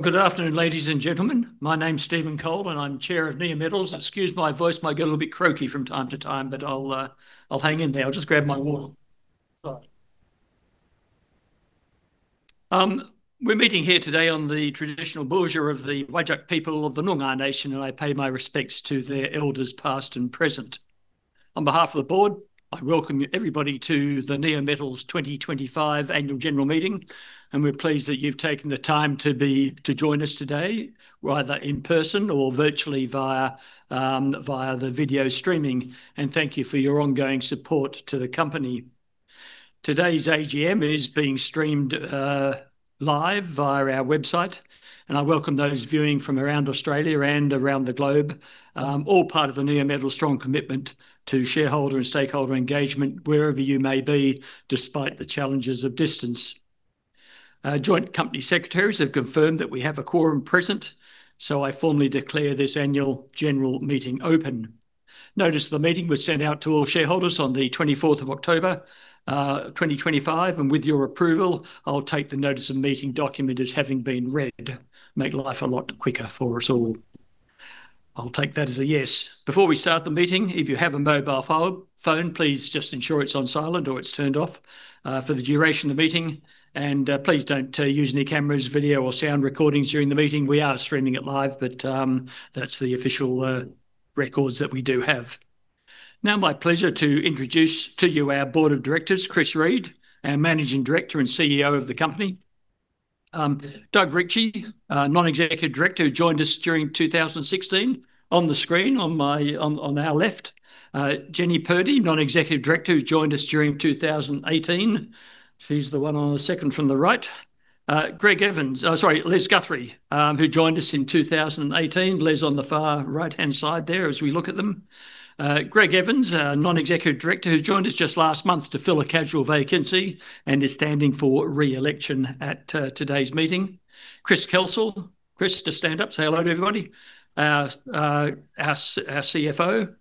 Good afternoon, ladies and gentlemen. My name's Stephen Cole, and I'm Chair of Neometals. Excuse my voice; it might get a little bit croaky from time to time, but I'll hang in there. I'll just grab my water. Sorry. We are meeting here today on the traditional border of the Wadjuk people of the Noongar Nation, and I pay my respects to their elders past and present. On behalf of the board, I welcome everybody to the Neometals 2025 Annual General Meeting, and we're pleased that you've taken the time to join us today, whether in person or virtually via the video streaming. Thank you for your ongoing support to the company. Today's AGM is being streamed live via our website, and I welcome those viewing from around Australia and around the globe, all part of Neometals' strong commitment to shareholder and stakeholder engagement wherever you may be, despite the challenges of distance. Joint Company Secretaries have confirmed that we have a quorum present, so I formally declare this Annual General Meeting open. Notice of the meeting was sent out to all shareholders on the 24th of October, 2025, and with your approval, I'll take the Notice of Meeting document as having been read. Make life a lot quicker for us all. I'll take that as a yes. Before we start the meeting, if you have a mobile phone, please just ensure it's on silent or it's turned off for the duration of the meeting. Please don't use any cameras, video, or sound recordings during the meeting. We are streaming it live, but that's the official records that we do have. Now, my pleasure to introduce to you our Board of Directors, Chris Reed, our Managing Director and CEO of the company. Doug Ritchie, Non-Executive Director, joined us during 2016. On the screen, on my, on our left, Jenny Purdy, Non-Executive Director, who joined us during 2018. She's the one on the second from the right. Greg Evans—oh, sorry—Les Guthrie, who joined us in 2018. Les on the far right-hand side there as we look at them. Greg Evans, Non-Executive Director, who joined us just last month to fill a casual vacancy and is standing for re-election at today's meeting. Chris Kelsall—Chris, just stand up. Say hello to everybody. Our CFO,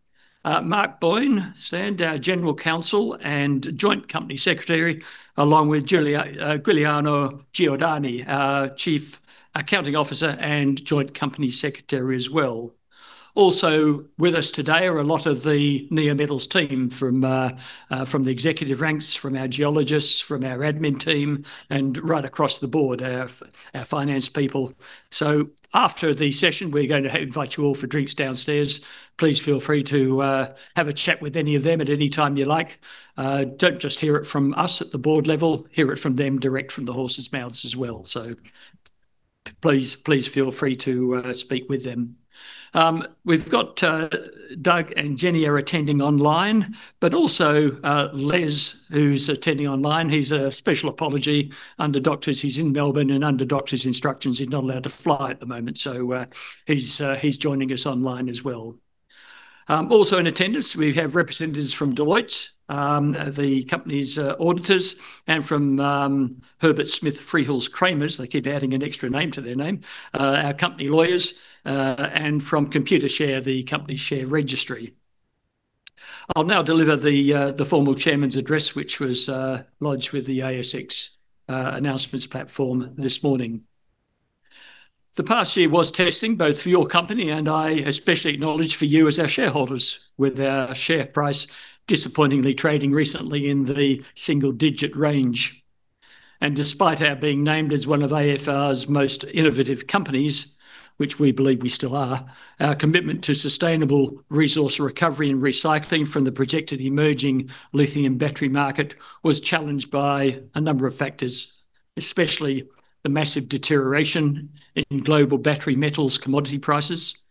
Mark Boyne, stand, our General Counsel and Joint Company Secretary, along with Giulia, Giuliano Giordani, our Chief Accounting Officer and Joint Company Secretary as well. Also with us today are a lot of the Neometals team from the executive ranks, from our geologists, from our admin team, and right across the board, our finance people. After the session, we're going to invite you all for drinks downstairs. Please feel free to have a chat with any of them at any time you like. Do not just hear it from us at the board level; hear it from them direct from the horse's mouths as well. Please, please feel free to speak with them. We've got Doug and Jenny are attending online, but also Les, who's attending online. He's a special apology under doctors. He's in Melbourne, and under doctor's instructions, he's not allowed to fly at the moment. He's joining us online as well. Also in attendance, we have representatives from Deloitte, the company's auditors, and from Herbert Smith Freehills. They keep adding an extra name to their name. Our company lawyers, and from Computershare, the company's share registry. I'll now deliver the formal Chairman's address, which was lodged with the ASX announcements platform this morning. The past year was testing both for your company and I especially acknowledge for you as our shareholders, with our share price disappointingly trading recently in the single-digit range. Despite our being named as one of AFR's most innovative companies, which we believe we still are, our commitment to sustainable resource recovery and recycling from the projected emerging lithium battery market was challenged by a number of factors, especially the massive deterioration in global battery metals commodity prices,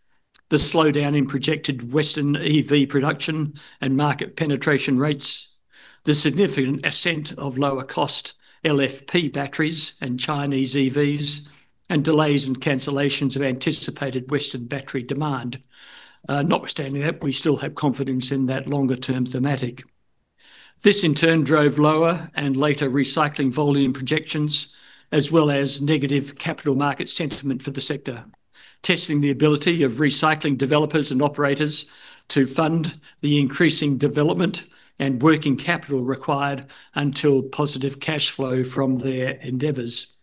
the slowdown in projected Western EV production and market penetration rates, the significant ascent of lower-cost LFP batteries and Chinese EVs, and delays and cancellations of anticipated Western battery demand. Notwithstanding that, we still have confidence in that longer-term thematic. This, in turn, drove lower and later recycling volume projections, as well as negative capital market sentiment for the sector, testing the ability of recycling developers and operators to fund the increasing development and working capital required until positive cash flow from their endeavors.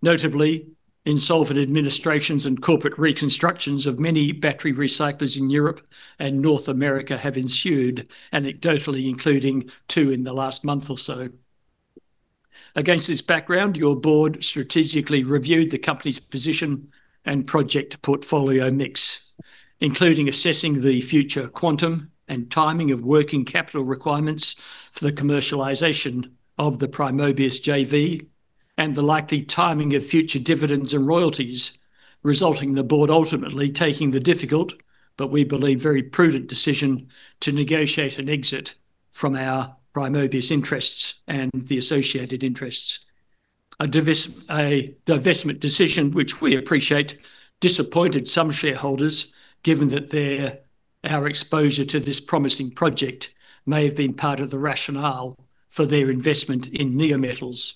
Notably, insolvent administrations and corporate reconstructions of many battery recyclers in Europe and North America have ensued, anecdotally including two in the last month or so. Against this background, your board strategically reviewed the company's position and project portfolio mix, including assessing the future quantum and timing of working capital requirements for the commercialization of the Primobius JV and the likely timing of future dividends and royalties, resulting in the board ultimately taking the difficult, but we believe very prudent decision to negotiate an exit from our Primobius interests and the associated interests. A divestment decision, which we appreciate, disappointed some shareholders, given that their, our exposure to this promising project may have been part of the rationale for their investment in Neometals.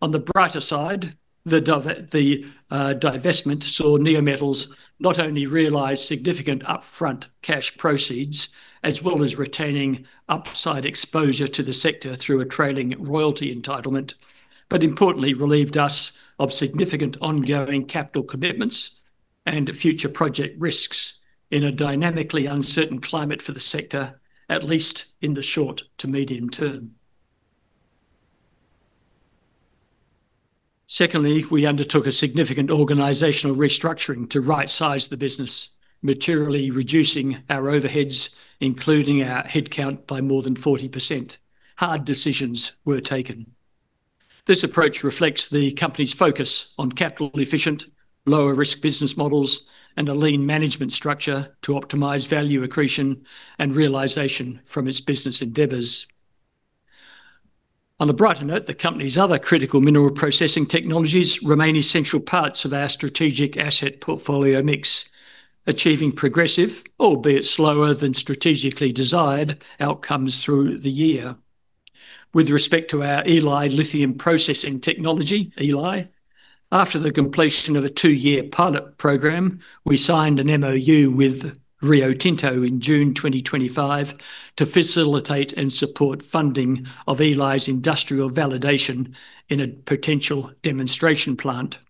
On the brighter side, the divestment saw Neometals not only realize significant upfront cash proceeds, as well as retaining upside exposure to the sector through a trailing royalty entitlement, but importantly relieved us of significant ongoing capital commitments and future project risks in a dynamically uncertain climate for the sector, at least in the short to medium term. Secondly, we undertook a significant organizational restructuring to right-size the business, materially reducing our overheads, including our headcount, by more than 40%. Hard decisions were taken. This approach reflects the company's focus on capital-efficient, lower-risk business models and a lean management structure to optimize value accretion and realization from its business endeavors. On a brighter note, the company's other critical mineral processing technologies remain essential parts of our strategic asset portfolio mix, achieving progressive, albeit slower than strategically desired, outcomes through the year. With respect to our ELi lithium processing technology, ELi, after the completion of a two-year pilot program, we signed an MoU with Rio Tinto in June 2025 to facilitate and support funding of ELi's industrial validation in a potential demonstration plant.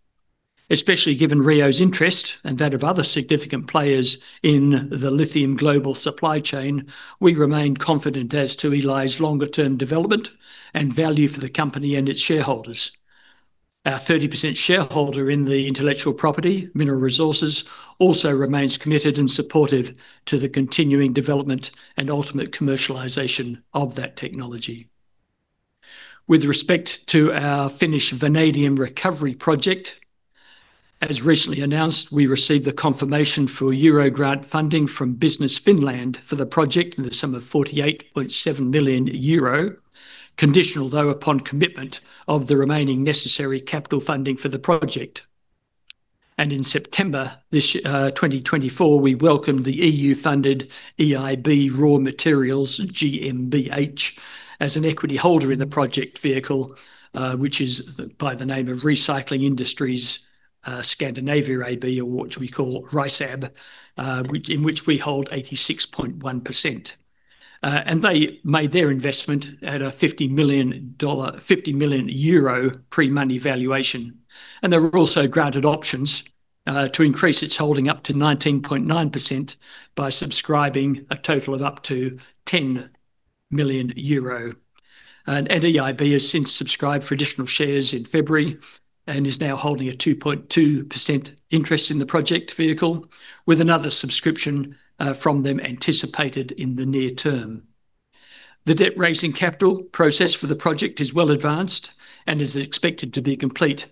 Especially given Rio's interest and that of other significant players in the lithium global supply chain, we remain confident as to ELi's longer-term development and value for the company and its shareholders. Our 30% shareholder in the intellectual property, Mineral Resources, also remains committed and supportive to the continuing development and ultimate commercialization of that technology. With respect to our Finnish vanadium recovery project, as recently announced, we received the confirmation for EUR 48.7 million grant funding from Business Finland for the project, conditional, though, upon commitment of the remaining necessary capital funding for the project. In September 2024, we welcomed the EU-funded EIT Raw Materials as an equity holder in the project vehicle, which is by the name of Recycling Industries Scandinavia AB, or what we call RICE AB, in which we hold 86.1%. They made their investment at a EUR 50 million pre-money valuation. They were also granted options to increase their holding up to 19.9% by subscribing a total of up to 10 million euro. EIT has since subscribed for additional shares in February and is now holding a 2.2% interest in the project vehicle, with another subscription from them anticipated in the near term. The debt-raising capital process for the project is well advanced and is expected to be complete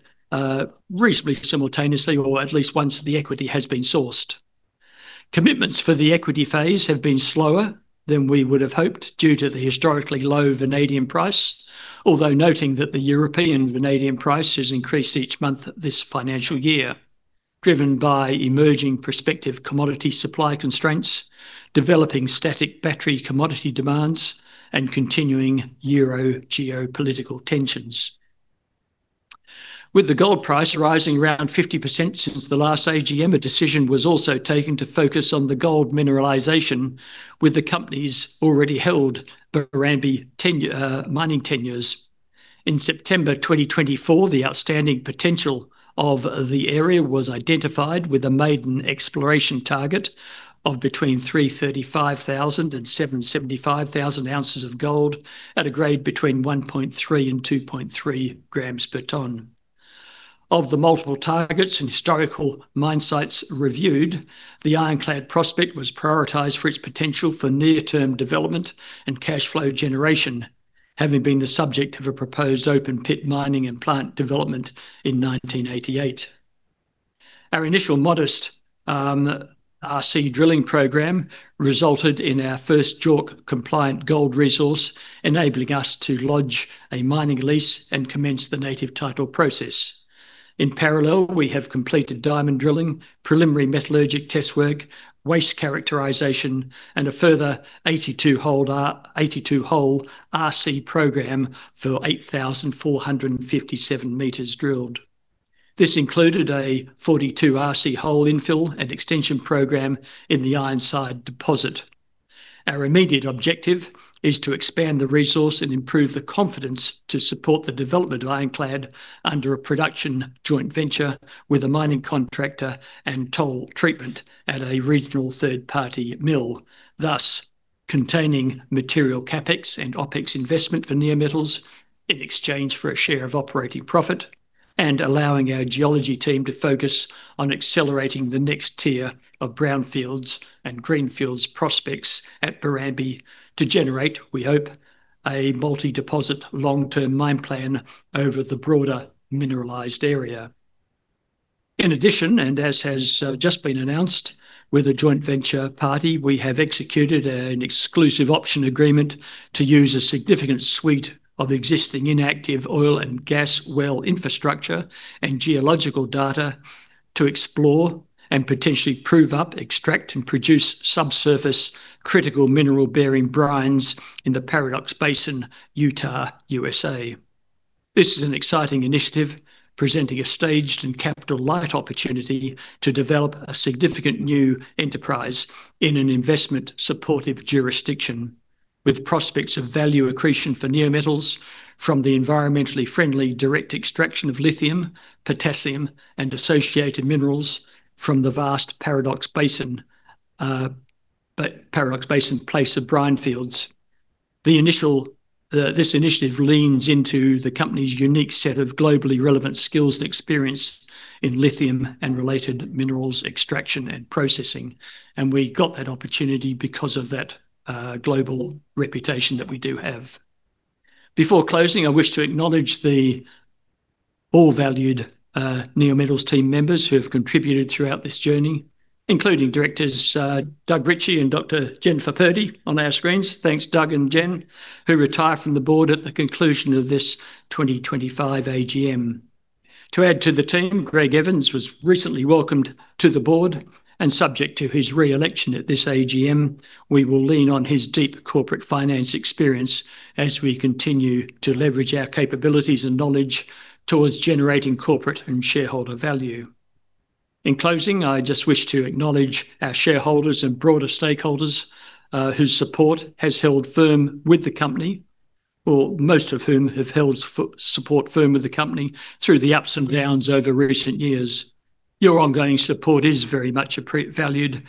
reasonably simultaneously, or at least once the equity has been sourced. Commitments for the equity phase have been slower than we would have hoped due to the historically low vanadium price, although noting that the European vanadium price has increased each month this financial year, driven by emerging prospective commodity supply constraints, developing static battery commodity demands, and continuing Euro geopolitical tensions. With the gold price rising around 50% since the last AGM, a decision was also taken to focus on the gold mineralization with the company's already held Barrambie tenure, mining tenures. In September 2024, the outstanding potential of the area was identified with a maiden exploration target of between 335,000 and 775,000 ounces of gold at a grade between 1.3 g and 2.3 g per ton. Of the multiple targets and historical mine sites reviewed, the Ironclad Prospect was prioritized for its potential for near-term development and cash flow generation, having been the subject of a proposed open-pit mining and plant development in 1988. Our initial modest RC drilling program resulted in our first JORC-compliant gold resource, enabling us to lodge a mining lease and commence the native title process. In parallel, we have completed diamond drilling, preliminary metallurgic test work, waste characterization, and a further 82-hole RC program for 8,457 meters drilled. This included a 42-RC hole infill and extension program in the Ironside deposit. Our immediate objective is to expand the resource and improve the confidence to support the development of Ironclad under a production joint venture with a mining contractor and toll treatment at a regional third-party mill, thus containing material CapEx and OpEx investment for Neometals in exchange for a share of operating profit and allowing our geology team to focus on accelerating the next tier of brownfields and greenfields prospects at Barrambie to generate, we hope, a multi-deposit long-term mine plan over the broader mineralized area. In addition, and as has just been announced, with a joint venture party, we have executed an exclusive option agreement to use a significant suite of existing inactive oil and gas well infrastructure and geological data to explore and potentially prove up, extract, and produce subsurface critical mineral-bearing brines in the Paradox Basin, Utah, U.S.A. This is an exciting initiative presenting a staged and capital-light opportunity to develop a significant new enterprise in an investment-supportive jurisdiction, with prospects of value accretion for Neometals from the environmentally friendly direct extraction of lithium, potassium, and associated minerals from the vast Paradox Basin, Paradox Basin place of brine fields. The initial, this initiative leans into the company's unique set of globally relevant skills and experience in lithium and related minerals extraction and processing. We got that opportunity because of that global reputation that we do have. Before closing, I wish to acknowledge all valued Neometals team members who have contributed throughout this journey, including directors Doug Ritchie and Dr. Jenny Purdy on our screens. Thanks, Doug and Jen, who retired from the board at the conclusion of this 2025 AGM. To add to the team, Greg Evans was recently welcomed to the board, and subject to his re-election at this AGM, we will lean on his deep corporate finance experience as we continue to leverage our capabilities and knowledge towards generating corporate and shareholder value. In closing, I just wish to acknowledge our shareholders and broader stakeholders, whose support has held firm with the company, or most of whom have held support firm with the company through the ups and downs over recent years. Your ongoing support is very much appreciated, valued,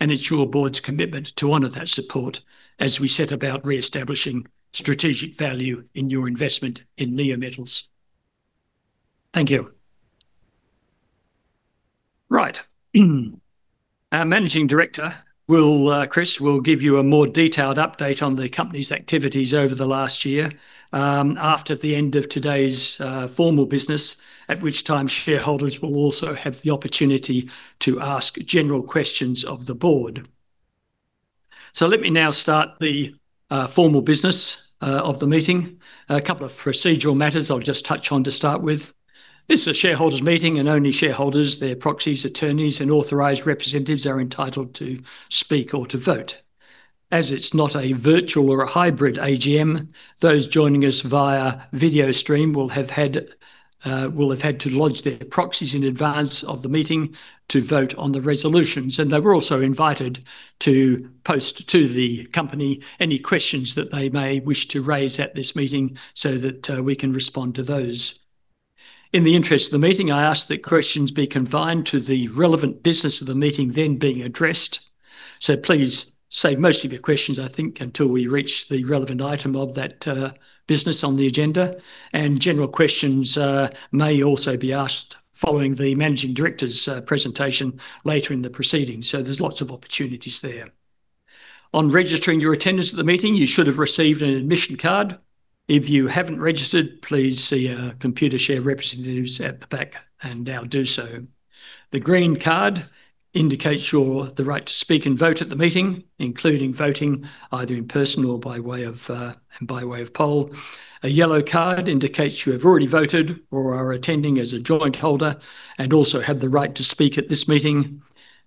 and it is your board's commitment to honor that support as we set about re-establishing strategic value in your investment in Neometals. Our Managing Director, Chris, will give you a more detailed update on the company's activities over the last year after the end of today's formal business, at which time shareholders will also have the opportunity to ask general questions of the board. Let me now start the formal business of the meeting. A couple of procedural matters I'll just touch on to start with. This is a shareholders' meeting, and only shareholders, their proxies, attorneys, and authorized representatives are entitled to speak or to vote. As it's not a virtual or a hybrid AGM, those joining us via video stream will have had to lodge their proxies in advance of the meeting to vote on the resolutions. They were also invited to post to the company any questions that they may wish to raise at this meeting so that we can respond to those. In the interest of the meeting, I ask that questions be confined to the relevant business of the meeting then being addressed. Please save most of your questions, I think, until we reach the relevant item of that business on the agenda. General questions may also be asked following the Managing Director's presentation later in the proceedings. There are lots of opportunities there. On registering your attendance at the meeting, you should have received an admission card. If you have not registered, please see our Computershare representatives at the back and now do so. The green card indicates you have the right to speak and vote at the meeting, including voting either in person or by way of poll. A yellow card indicates you have already voted or are attending as a joint holder and also have the right to speak at this meeting.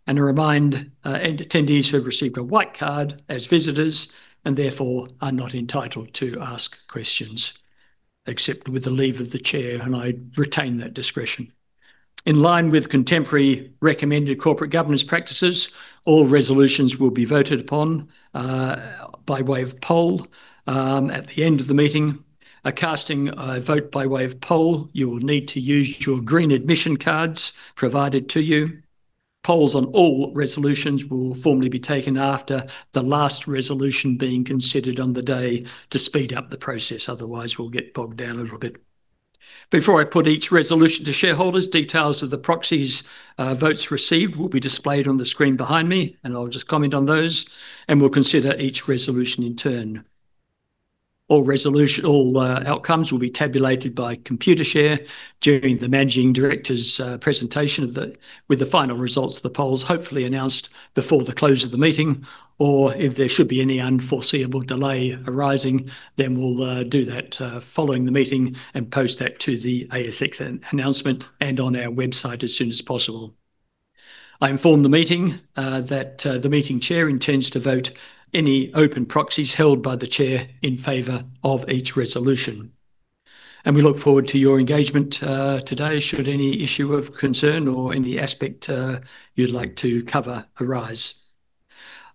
A remind, attendees have received a white card as visitors and therefore are not entitled to ask questions, except with the leave of the chair, and I retain that discretion. In line with contemporary recommended corporate governance practices, all resolutions will be voted upon by way of poll at the end of the meeting. A casting vote by way of poll, you will need to use your green admission cards provided to you. Polls on all resolutions will formally be taken after the last resolution being considered on the day to speed up the process. Otherwise, we'll get bogged down a little bit. Before I put each resolution to shareholders, details of the proxies, votes received will be displayed on the screen behind me, and I'll just comment on those, and we'll consider each resolution in turn. All resolution, all outcomes will be tabulated by Computershare during the Managing Director's presentation, with the final results of the polls hopefully announced before the close of the meeting. If there should be any unforeseeable delay arising, we will do that following the meeting and post that to the ASX announcement and on our website as soon as possible. I inform the meeting that the meeting Chair intends to vote any open proxies held by the Chair in favor of each resolution. We look forward to your engagement today should any issue of concern or any aspect you'd like to cover arise.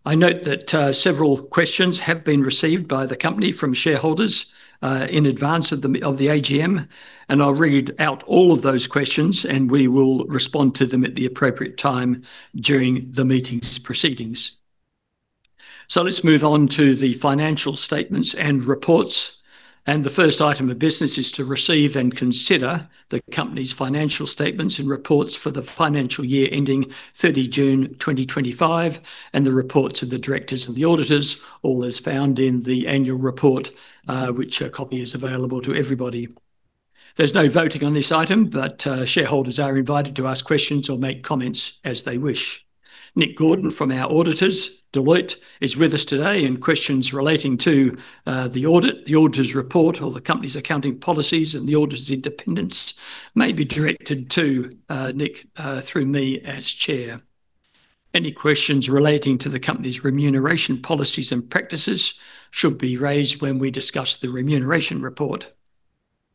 I note that several questions have been received by the company from shareholders in advance of the AGM, and I'll read out all of those questions, and we will respond to them at the appropriate time during the meeting's proceedings. Let's move on to the financial statements and reports. The first item of business is to receive and consider the company's financial statements and reports for the financial year ending 30 June 2025 and the reports of the directors and the auditors, all as found in the annual report, which a copy is available to everybody. There is no voting on this item, but shareholders are invited to ask questions or make comments as they wish. Nick Gordon from our auditors, Deloitte, is with us today, and questions relating to the audit, the auditor's report, or the company's accounting policies and the auditor's independence may be directed to Nick through me as chair. Any questions relating to the company's remuneration policies and practices should be raised when we discuss the remuneration report.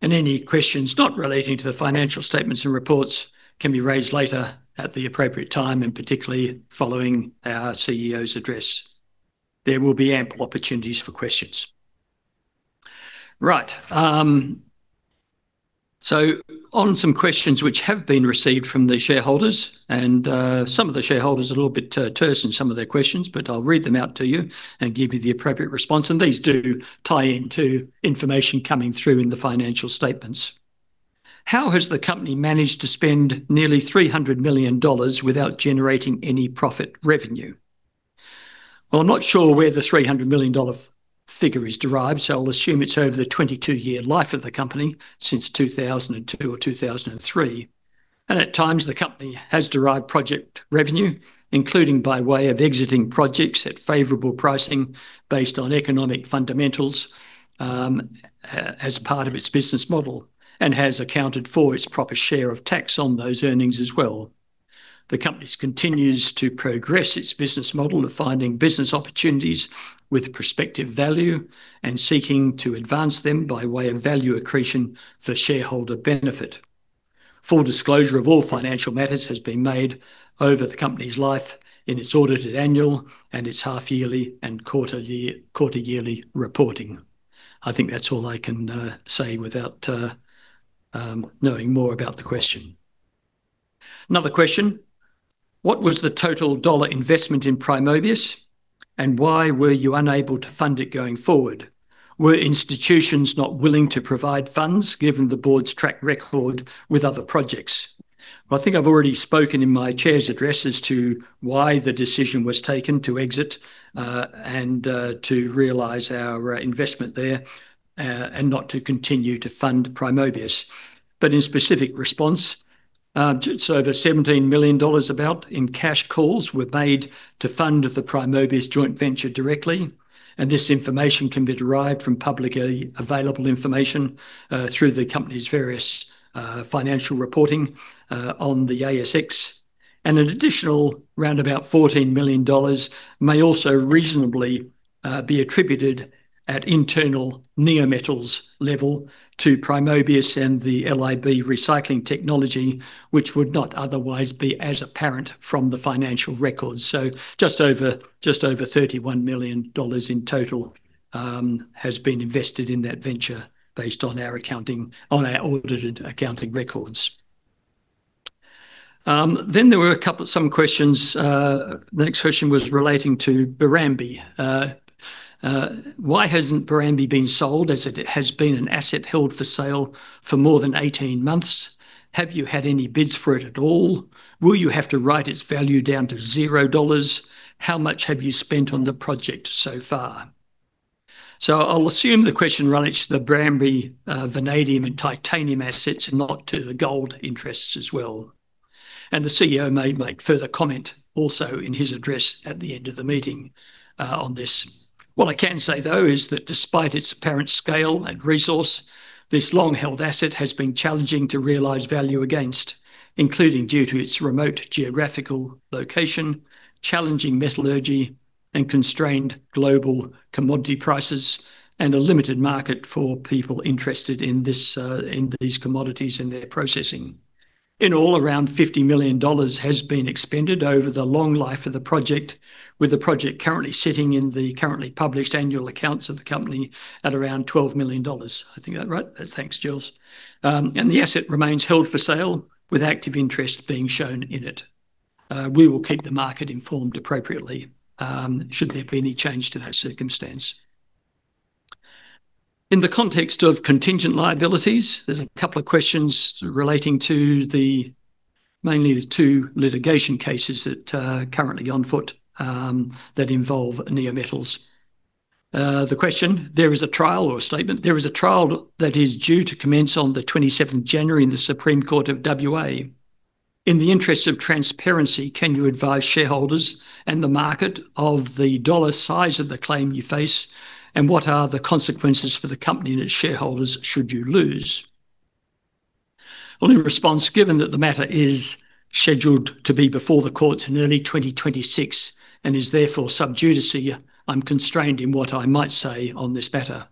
Any questions not relating to the financial statements and reports can be raised later at the appropriate time, particularly following our CEO's address. There will be ample opportunities for questions, right. On some questions which have been received from the shareholders, some of the shareholders are a little bit terse in some of their questions, but I'll read them out to you and give you the appropriate response. These do tie into information coming through in the financial statements. How has the company managed to spend nearly 300 million dollars without generating any profit revenue? I'm not sure where the 300 million dollar figure is derived, so I'll assume it's over the 22-year life of the company since 2002 or 2003. At times, the company has derived project revenue, including by way of exiting projects at favorable pricing based on economic fundamentals, as part of its business model, and has accounted for its proper share of tax on those earnings as well. The company continues to progress its business model of finding business opportunities with prospective value and seeking to advance them by way of value accretion for shareholder benefit. Full disclosure of all financial matters has been made over the company's life in its audited annual and its half-yearly and quarter-yearly reporting. I think that's all I can say without knowing more about the question. Another question. What was the total dollar investment in Primobius, and why were you unable to fund it going forward? Were institutions not willing to provide funds given the board's track record with other projects? I think I've already spoken in my chair's address as to why the decision was taken to exit, and to realize our investment there, and not to continue to fund Primobius. In specific response, over 17 million dollars in cash calls were made to fund the Primobius joint venture directly. This information can be derived from publicly available information, through the company's various financial reporting on the ASX. An additional round about 14 million dollars may also reasonably be attributed at internal Neometals level to Primobius and the LIB Recycling Technology, which would not otherwise be as apparent from the financial records. Just over 31 million dollars in total has been invested in that venture based on our accounting, on our audited accounting records. There were a couple of some questions. The next question was relating to Barrambie. Why hasn't Barrambie been sold as it has been an asset held for sale for more than 18 months? Have you had any bids for it at all? Will you have to write its value down to $0? How much have you spent on the project so far? I'll assume the question relates to the Barrambie, vanadium and titanium assets and not to the gold interests as well. The CEO may make further comment also in his address at the end of the meeting on this. What I can say, though, is that despite its apparent scale and resource, this long-held asset has been challenging to realize value against, including due to its remote geographical location, challenging metallurgy, constrained global commodity prices, and a limited market for people interested in these commodities and their processing. In all, around $50 million has been expended over the long life of the project, with the project currently sitting in the currently published annual accounts of the company at around $12 million. I think that's right. Thanks, Jules. The asset remains held for sale with active interest being shown in it. We will keep the market informed appropriately, should there be any change to that circumstance. In the context of contingent liabilities, there's a couple of questions relating to mainly the two litigation cases that are currently on foot that involve Neometals. The question, there is a trial or a statement, there is a trial that is due to commence on the 27th of January in the Supreme Court of Western Australia. In the interest of transparency, can you advise shareholders and the market of the dollar size of the claim you face, and what are the consequences for the company and its shareholders should you lose? Only response, given that the matter is scheduled to be before the courts in early 2026 and is therefore sub judice, I'm constrained in what I might say on this matter.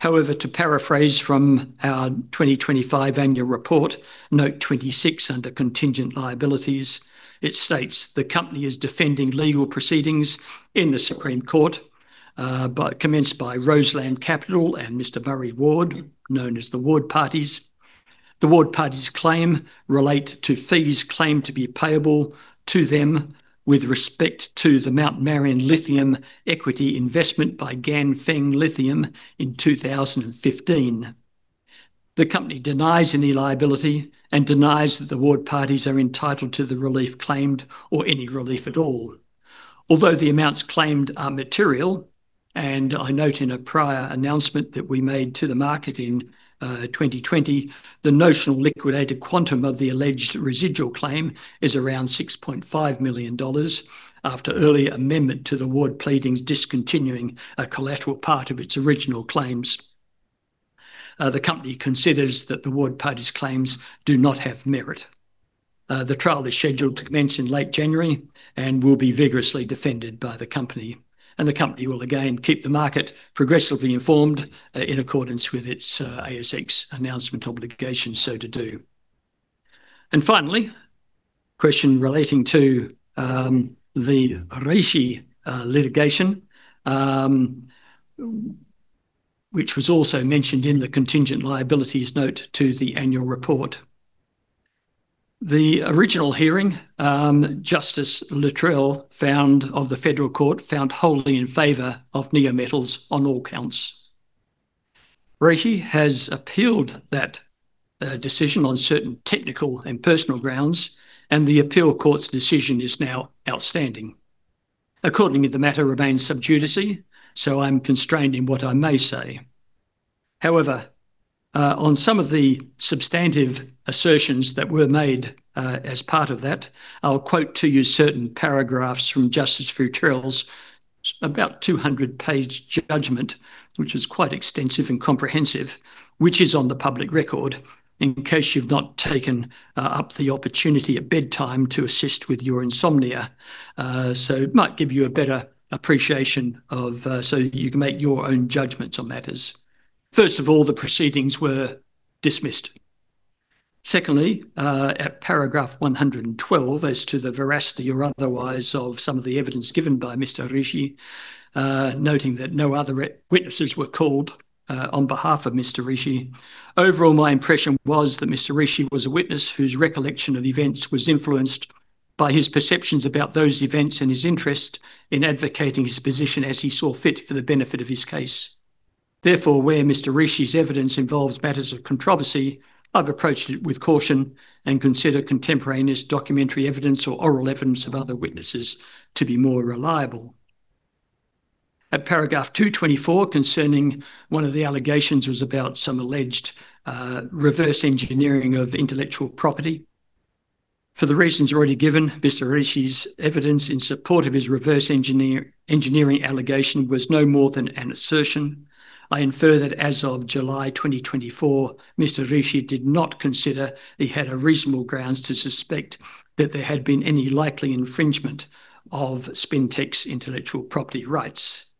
However, to paraphrase from our 2025 annual report, note 26 under contingent liabilities, it states the company is defending legal proceedings in the Supreme Court, but commenced by Roseland Capital and Mr. Murray Ward, known as the Ward parties. The Ward parties claim relate to fees claimed to be payable to them with respect to the Mount Marion Lithium equity investment by Ganfeng Lithium in 2015. The company denies any liability and denies that the Ward parties are entitled to the relief claimed or any relief at all. Although the amounts claimed are material, and I note in a prior announcement that we made to the market in 2020, the notional liquidated quantum of the alleged residual claim is around 6.5 million dollars after early amendment to the Ward pleadings discontinuing a collateral part of its original claims. The company considers that the Ward parties' claims do not have merit. The trial is scheduled to commence in late January and will be vigorously defended by the company. The company will again keep the market progressively informed in accordance with its ASX announcement obligations so to do. Finally, question relating to the Rishi litigation, which was also mentioned in the contingent liabilities note to the annual report. The original hearing, Justice Littrell of the Federal Court found wholly in favor of Neometals on all counts. Rishi has appealed that decision on certain technical and personal grounds, and the appeal court's decision is now outstanding. Accordingly, the matter remains sub judice, so I'm constrained in what I may say. However, on some of the substantive assertions that were made as part of that, I'll quote to you certain paragraphs from Justice Littrell's about 200-page judgment, which is quite extensive and comprehensive, which is on the public record, in case you've not taken up the opportunity at bedtime to assist with your insomnia. It might give you a better appreciation so you can make your own judgments on matters. First of all, the proceedings were dismissed. Secondly, at paragraph 112, as to the veracity or otherwise of some of the evidence given by Mr. Secondly, at paragraph 112, as to the veracity or otherwise of some of the evidence given by Mr. Rishi, noting that no other witnesses were called, on behalf of Mr. Rishi. Overall, my impression was that Mr. Rishi was a witness whose recollection of events was influenced by his perceptions about those events and his interest in advocating his position as he saw fit for the benefit of his case. Therefore, where Mr. Rishi's evidence involves matters of controversy, I've approached it with caution and considered contemporaneous documentary evidence or oral evidence of other witnesses to be more reliable. At paragraph 224, concerning one of the allegations was about some alleged, reverse engineering of intellectual property. For the reasons already given, Mr. Rishi's evidence in support of his reverse engineering allegation was no more than an assertion. I infer that as of July 2024, Mr. Rishi did not consider he had reasonable grounds to suspect that there had been any likely infringement of Spintex intellectual property rights.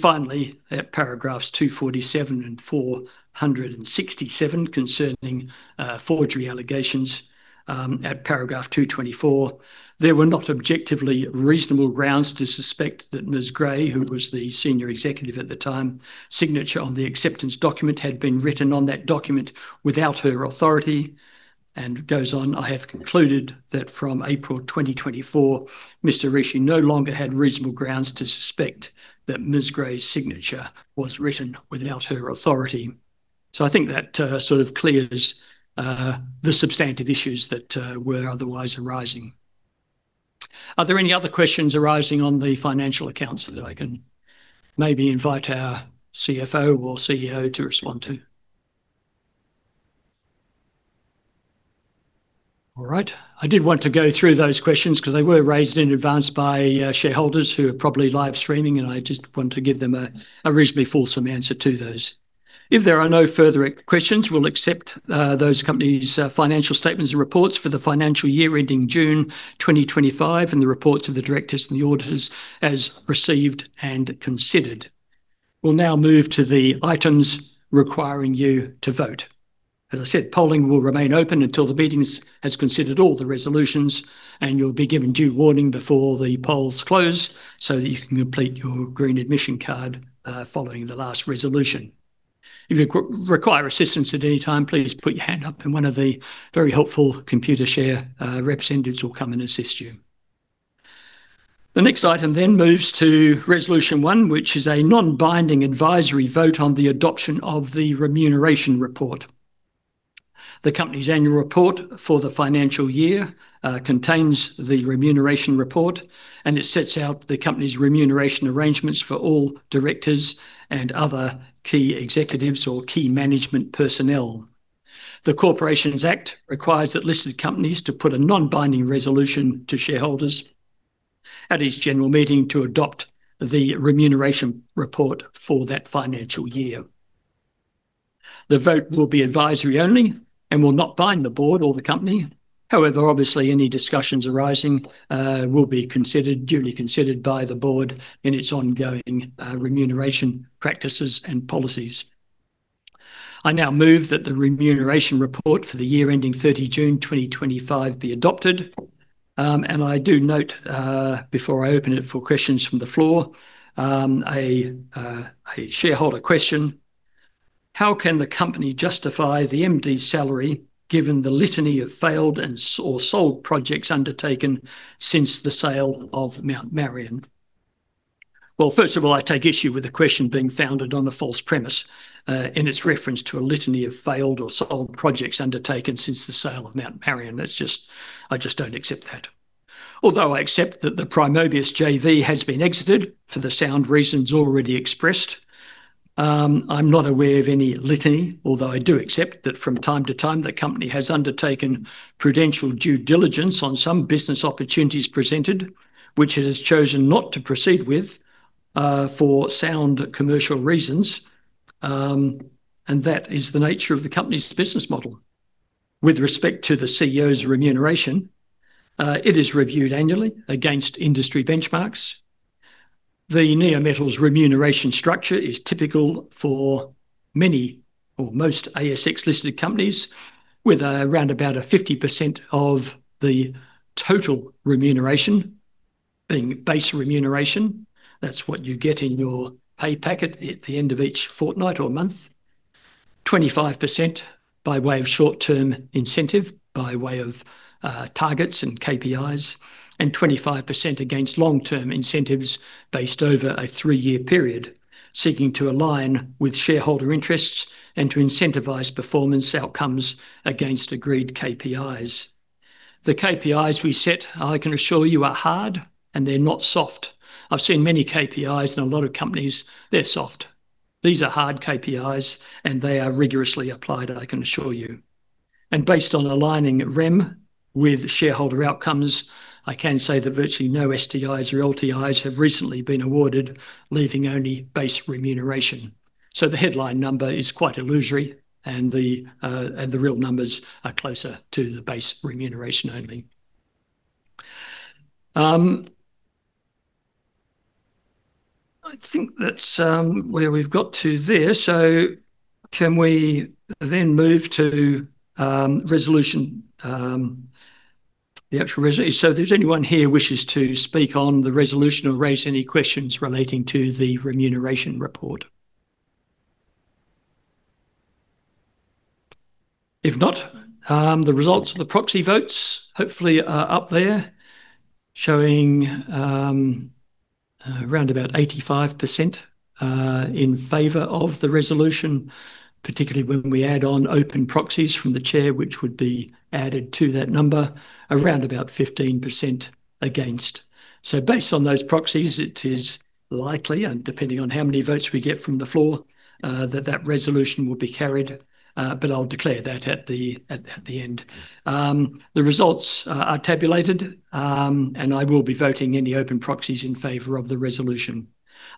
Finally, at paragraphs 247 and 467 concerning forgery allegations, at paragraph 224, there were not objectively reasonable grounds to suspect that Ms. Gray, who was the senior executive at the time, signature on the acceptance document had been written on that document without her authority. It goes on, I have concluded that from April 2024, Mr. Rishi no longer had reasonable grounds to suspect that Ms. Gray's signature was written without her authority. I think that sort of clears the substantive issues that were otherwise arising. Are there any other questions arising on the financial accounts that I can maybe invite our CFO or CEO to respond to? All right. I did want to go through those questions because they were raised in advance by shareholders who are probably live streaming, and I just want to give them a reasonably fulsome answer to those. If there are no further questions, we'll accept those company's financial statements and reports for the financial year ending June 2025 and the reports of the directors and the auditors as received and considered. We'll now move to the items requiring you to vote. As I said, polling will remain open until the meeting has considered all the resolutions, and you'll be given due warning before the polls close so that you can complete your green admission card, following the last resolution. If you require assistance at any time, please put your hand up, and one of the very helpful Computershare representatives will come and assist you. The next item then moves to resolution one, which is a non-binding advisory vote on the adoption of the remuneration report. The company's annual report for the financial year contains the remuneration report, and it sets out the company's remuneration arrangements for all directors and other key executives or key management personnel. The Corporations Act requires that listed companies put a non-binding resolution to shareholders at its general meeting to adopt the remuneration report for that financial year. The vote will be advisory only and will not bind the board or the company. However, obviously, any discussions arising will be duly considered by the board in its ongoing remuneration practices and policies. I now move that the remuneration report for the year ending 30 June 2025 be adopted. I do note, before I open it for questions from the floor, a shareholder question. How can the company justify the MD's salary given the litany of failed and or sold projects undertaken since the sale of Mount Marion? First of all, I take issue with the question being founded on a false premise, in its reference to a litany of failed or sold projects undertaken since the sale of Mount Marion. That's just, I just don't accept that. Although I accept that the Primobius JV has been exited for the sound reasons already expressed, I'm not aware of any litany, although I do accept that from time to time the company has undertaken prudential due diligence on some business opportunities presented, which it has chosen not to proceed with, for sound commercial reasons. That is the nature of the company's business model. With respect to the CEO's remuneration, it is reviewed annually against industry benchmarks. The Neometals remuneration structure is typical for many or most ASX-listed companies, with around about 50% of the total remuneration being base remuneration. That's what you get in your pay packet at the end of each fortnight or month. 25% by way of short-term incentive, by way of targets and KPIs, and 25% against long-term incentives based over a three-year period, seeking to align with shareholder interests and to incentivize performance outcomes against agreed KPIs. The KPIs we set, I can assure you, are hard, and they're not soft. I've seen many KPIs in a lot of companies; they're soft. These are hard KPIs, and they are rigorously applied, I can assure you. Based on aligning REM with shareholder outcomes, I can say that virtually no STIs or LTIs have recently been awarded, leaving only base remuneration. The headline number is quite illusory, and the real numbers are closer to the base remuneration only. I think that's where we've got to there. Can we then move to, resolution, the actual resolution? If there is anyone here who wishes to speak on the resolution or raise any questions relating to the remuneration report. If not, the results of the proxy votes hopefully are up there, showing, around about 85% in favor of the resolution, particularly when we add on open proxies from the chair, which would be added to that number, around about 15% against. Based on those proxies, it is likely, and depending on how many votes we get from the floor, that that resolution will be carried, but I will declare that at the end. The results are tabulated, and I will be voting any open proxies in favor of the resolution.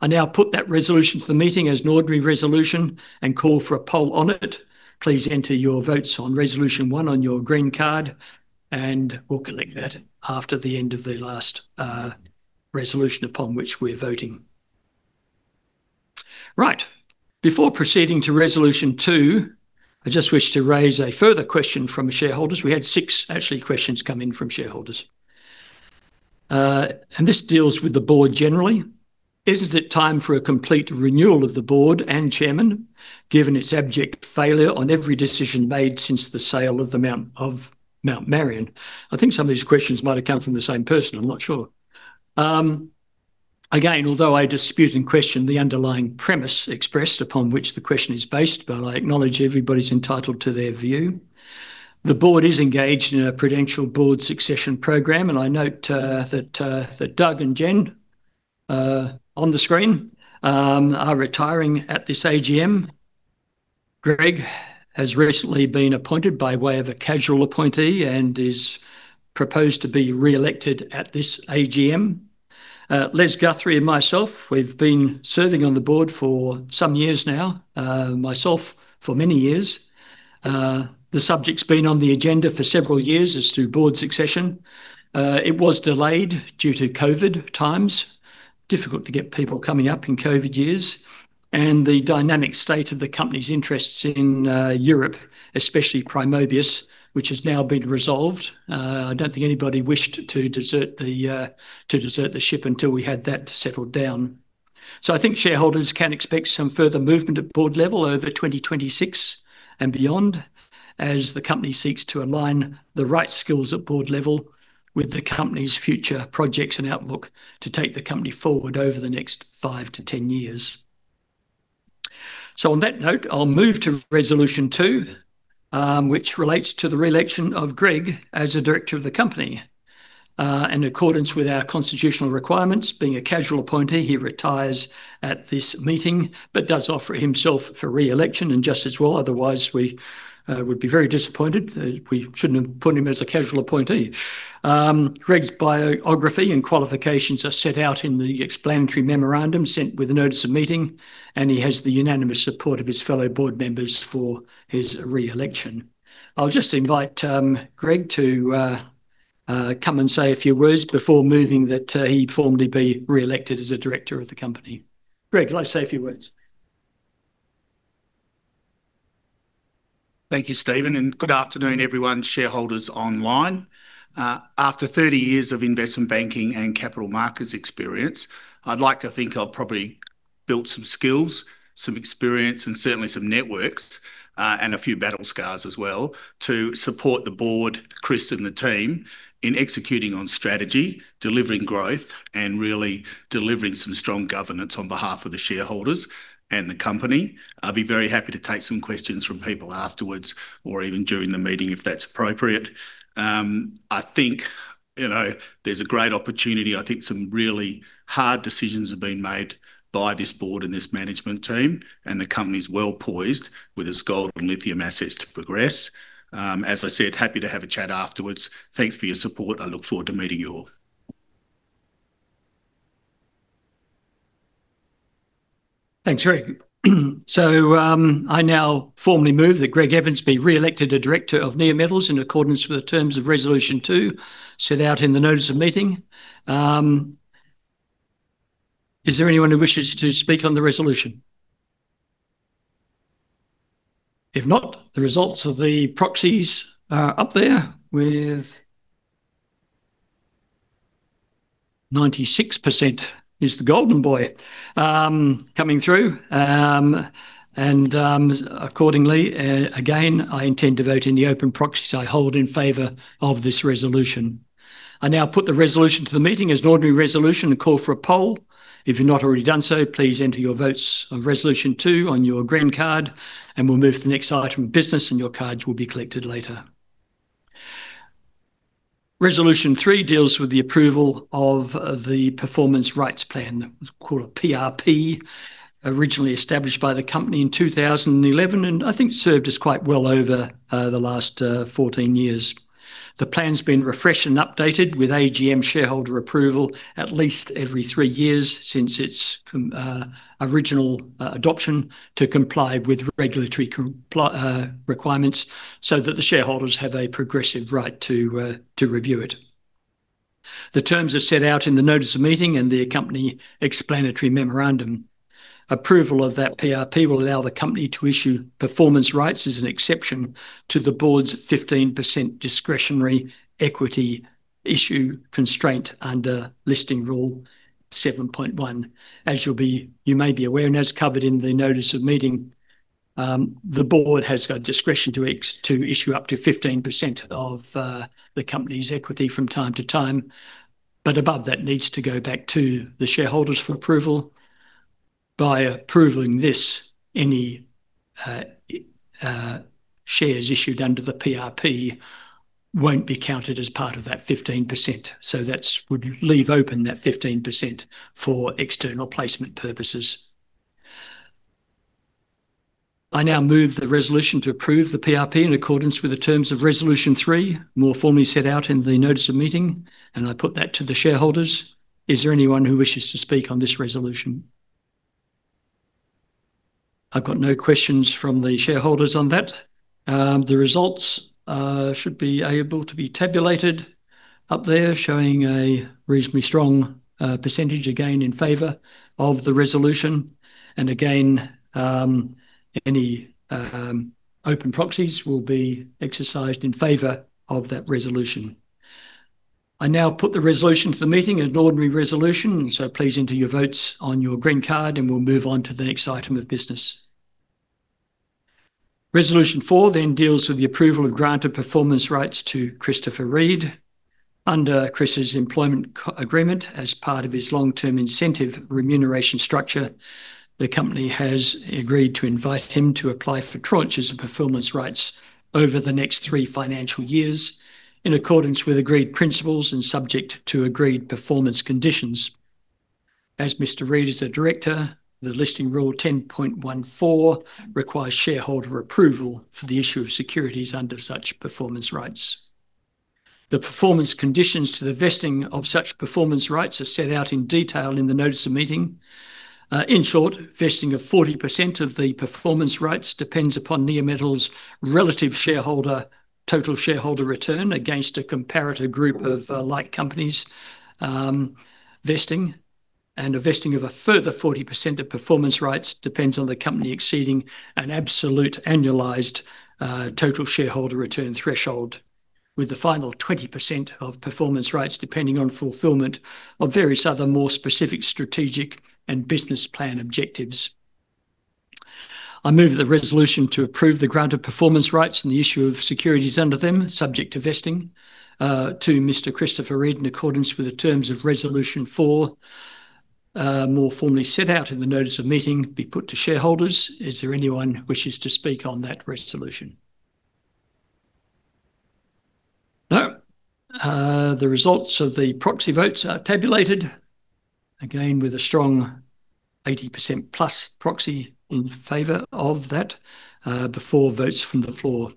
I now put that resolution to the meeting as an ordinary resolution and call for a poll on it. Please enter your votes on resolution one on your green card, and we'll collect that after the end of the last resolution upon which we're voting. Right. Before proceeding to resolution two, I just wish to raise a further question from shareholders. We had six, actually, questions come in from shareholders. This deals with the board generally. Isn't it time for a complete renewal of the board and chairman, given its abject failure on every decision made since the sale of Mount Marion? I think some of these questions might have come from the same person. I'm not sure. Again, although I dispute and question the underlying premise expressed upon which the question is based, I acknowledge everybody's entitled to their view. The board is engaged in a prudential board succession program, and I note that Doug and Jen, on the screen, are retiring at this AGM. Greg has recently been appointed by way of a casual appointee and is proposed to be re-elected at this AGM. Les Guthrie and myself, we've been serving on the board for some years now, myself for many years. The subject's been on the agenda for several years as to board succession. It was delayed due to COVID times, difficult to get people coming up in COVID years, and the dynamic state of the company's interests in Europe, especially Primobius, which has now been resolved. I don't think anybody wished to desert the ship until we had that settled down. I think shareholders can expect some further movement at board level over 2026 and beyond, as the company seeks to align the right skills at board level with the company's future projects and outlook to take the company forward over the next five to ten years. On that note, I'll move to resolution two, which relates to the re-election of Greg as a director of the company. In accordance with our constitutional requirements, being a casual appointee, he retires at this meeting, but does offer himself for re-election and justice as well. Otherwise, we would be very disappointed that we shouldn't have put him as a casual appointee. Greg's biography and qualifications are set out in the explanatory memorandum sent with a notice of meeting, and he has the unanimous support of his fellow board members for his re-election. I'll just invite Greg to come and say a few words before moving that he'd formally be re-elected as a director of the company. Greg, would like to say a few words. Thank you, Stephen, and good afternoon, everyone, shareholders online. After 30 years of investment banking and capital markets experience, I'd like to think I've probably built some skills, some experience, and certainly some networks, and a few battle scars as well to support the board, Chris, and the team in executing on strategy, delivering growth, and really delivering some strong governance on behalf of the shareholders and the company. I'd be very happy to take some questions from people afterwards or even during the meeting if that's appropriate. I think, you know, there's a great opportunity. I think some really hard decisions have been made by this board and this management team, and the company's well poised with its gold and lithium assets to progress. As I said, happy to have a chat afterwards. Thanks for your support. I look forward to meeting you all. Thanks, Greg. I now formally move that Greg Evans be re-elected as director of Neometals in accordance with the terms of resolution two, set out in the notice of meeting. Is there anyone who wishes to speak on the resolution? If not, the results of the proxies are up there with 96% is the golden boy, coming through. Accordingly, again, I intend to vote in the open proxies I hold in favor of this resolution. I now put the resolution to the meeting as an ordinary resolution and call for a poll. If you've not already done so, please enter your votes of resolution two on your green card, and we'll move to the next item of business, and your cards will be collected later. Resolution three deals with the approval of the performance rights plan, called a PRP, originally established by the company in 2011, and I think served us quite well over the last 14 years. The plan's been refreshed and updated with AGM shareholder approval at least every three years since its original adoption to comply with regulatory requirements so that the shareholders have a progressive right to review it. The terms are set out in the notice of meeting and the company explanatory memorandum. Approval of that PRP will allow the company to issue performance rights as an exception to the board's 15% discretionary equity issue constraint under listing rule 7.1. As you may be aware, and as covered in the notice of meeting, the board has got discretion to issue up to 15% of the company's equity from time to time, but above that needs to go back to the shareholders for approval. By approving this, any shares issued under the PRP won't be counted as part of that 15%. That would leave open that 15% for external placement purposes. I now move the resolution to approve the PRP in accordance with the terms of resolution three, more formally set out in the notice of meeting, and I put that to the shareholders. Is there anyone who wishes to speak on this resolution? I've got no questions from the shareholders on that. The results should be able to be tabulated up there, showing a reasonably strong percentage again in favor of the resolution. Again, any open proxies will be exercised in favor of that resolution. I now put the resolution to the meeting as an ordinary resolution, so please enter your votes on your green card, and we'll move on to the next item of business. Resolution four then deals with the approval of granted performance rights to Chris Reed. Under Chris's employment agreement, as part of his long-term incentive remuneration structure, the company has agreed to invite him to apply for tranches of performance rights over the next three financial years in accordance with agreed principles and subject to agreed performance conditions. As Mr. Reed is a director, the Listing Rule 10.14 requires shareholder approval for the issue of securities under such performance rights. The performance conditions to the vesting of such performance rights are set out in detail in the notice of meeting. In short, vesting of 40% of the performance rights depends upon Neometals' relative total shareholder return against a comparator group of like companies, vesting, and a vesting of a further 40% of performance rights depends on the company exceeding an absolute annualized total shareholder return threshold, with the final 20% of performance rights depending on fulfillment of various other more specific strategic and business plan objectives. I move the resolution to approve the grant of performance rights and the issue of securities under them, subject to vesting, to Mr. Chris Reed in accordance with the terms of resolution four, more formally set out in the notice of meeting, be put to shareholders. Is there anyone who wishes to speak on that resolution? No. The results of the proxy votes are tabulated, again with a strong 80%+ proxy in favor of that, before votes from the floor.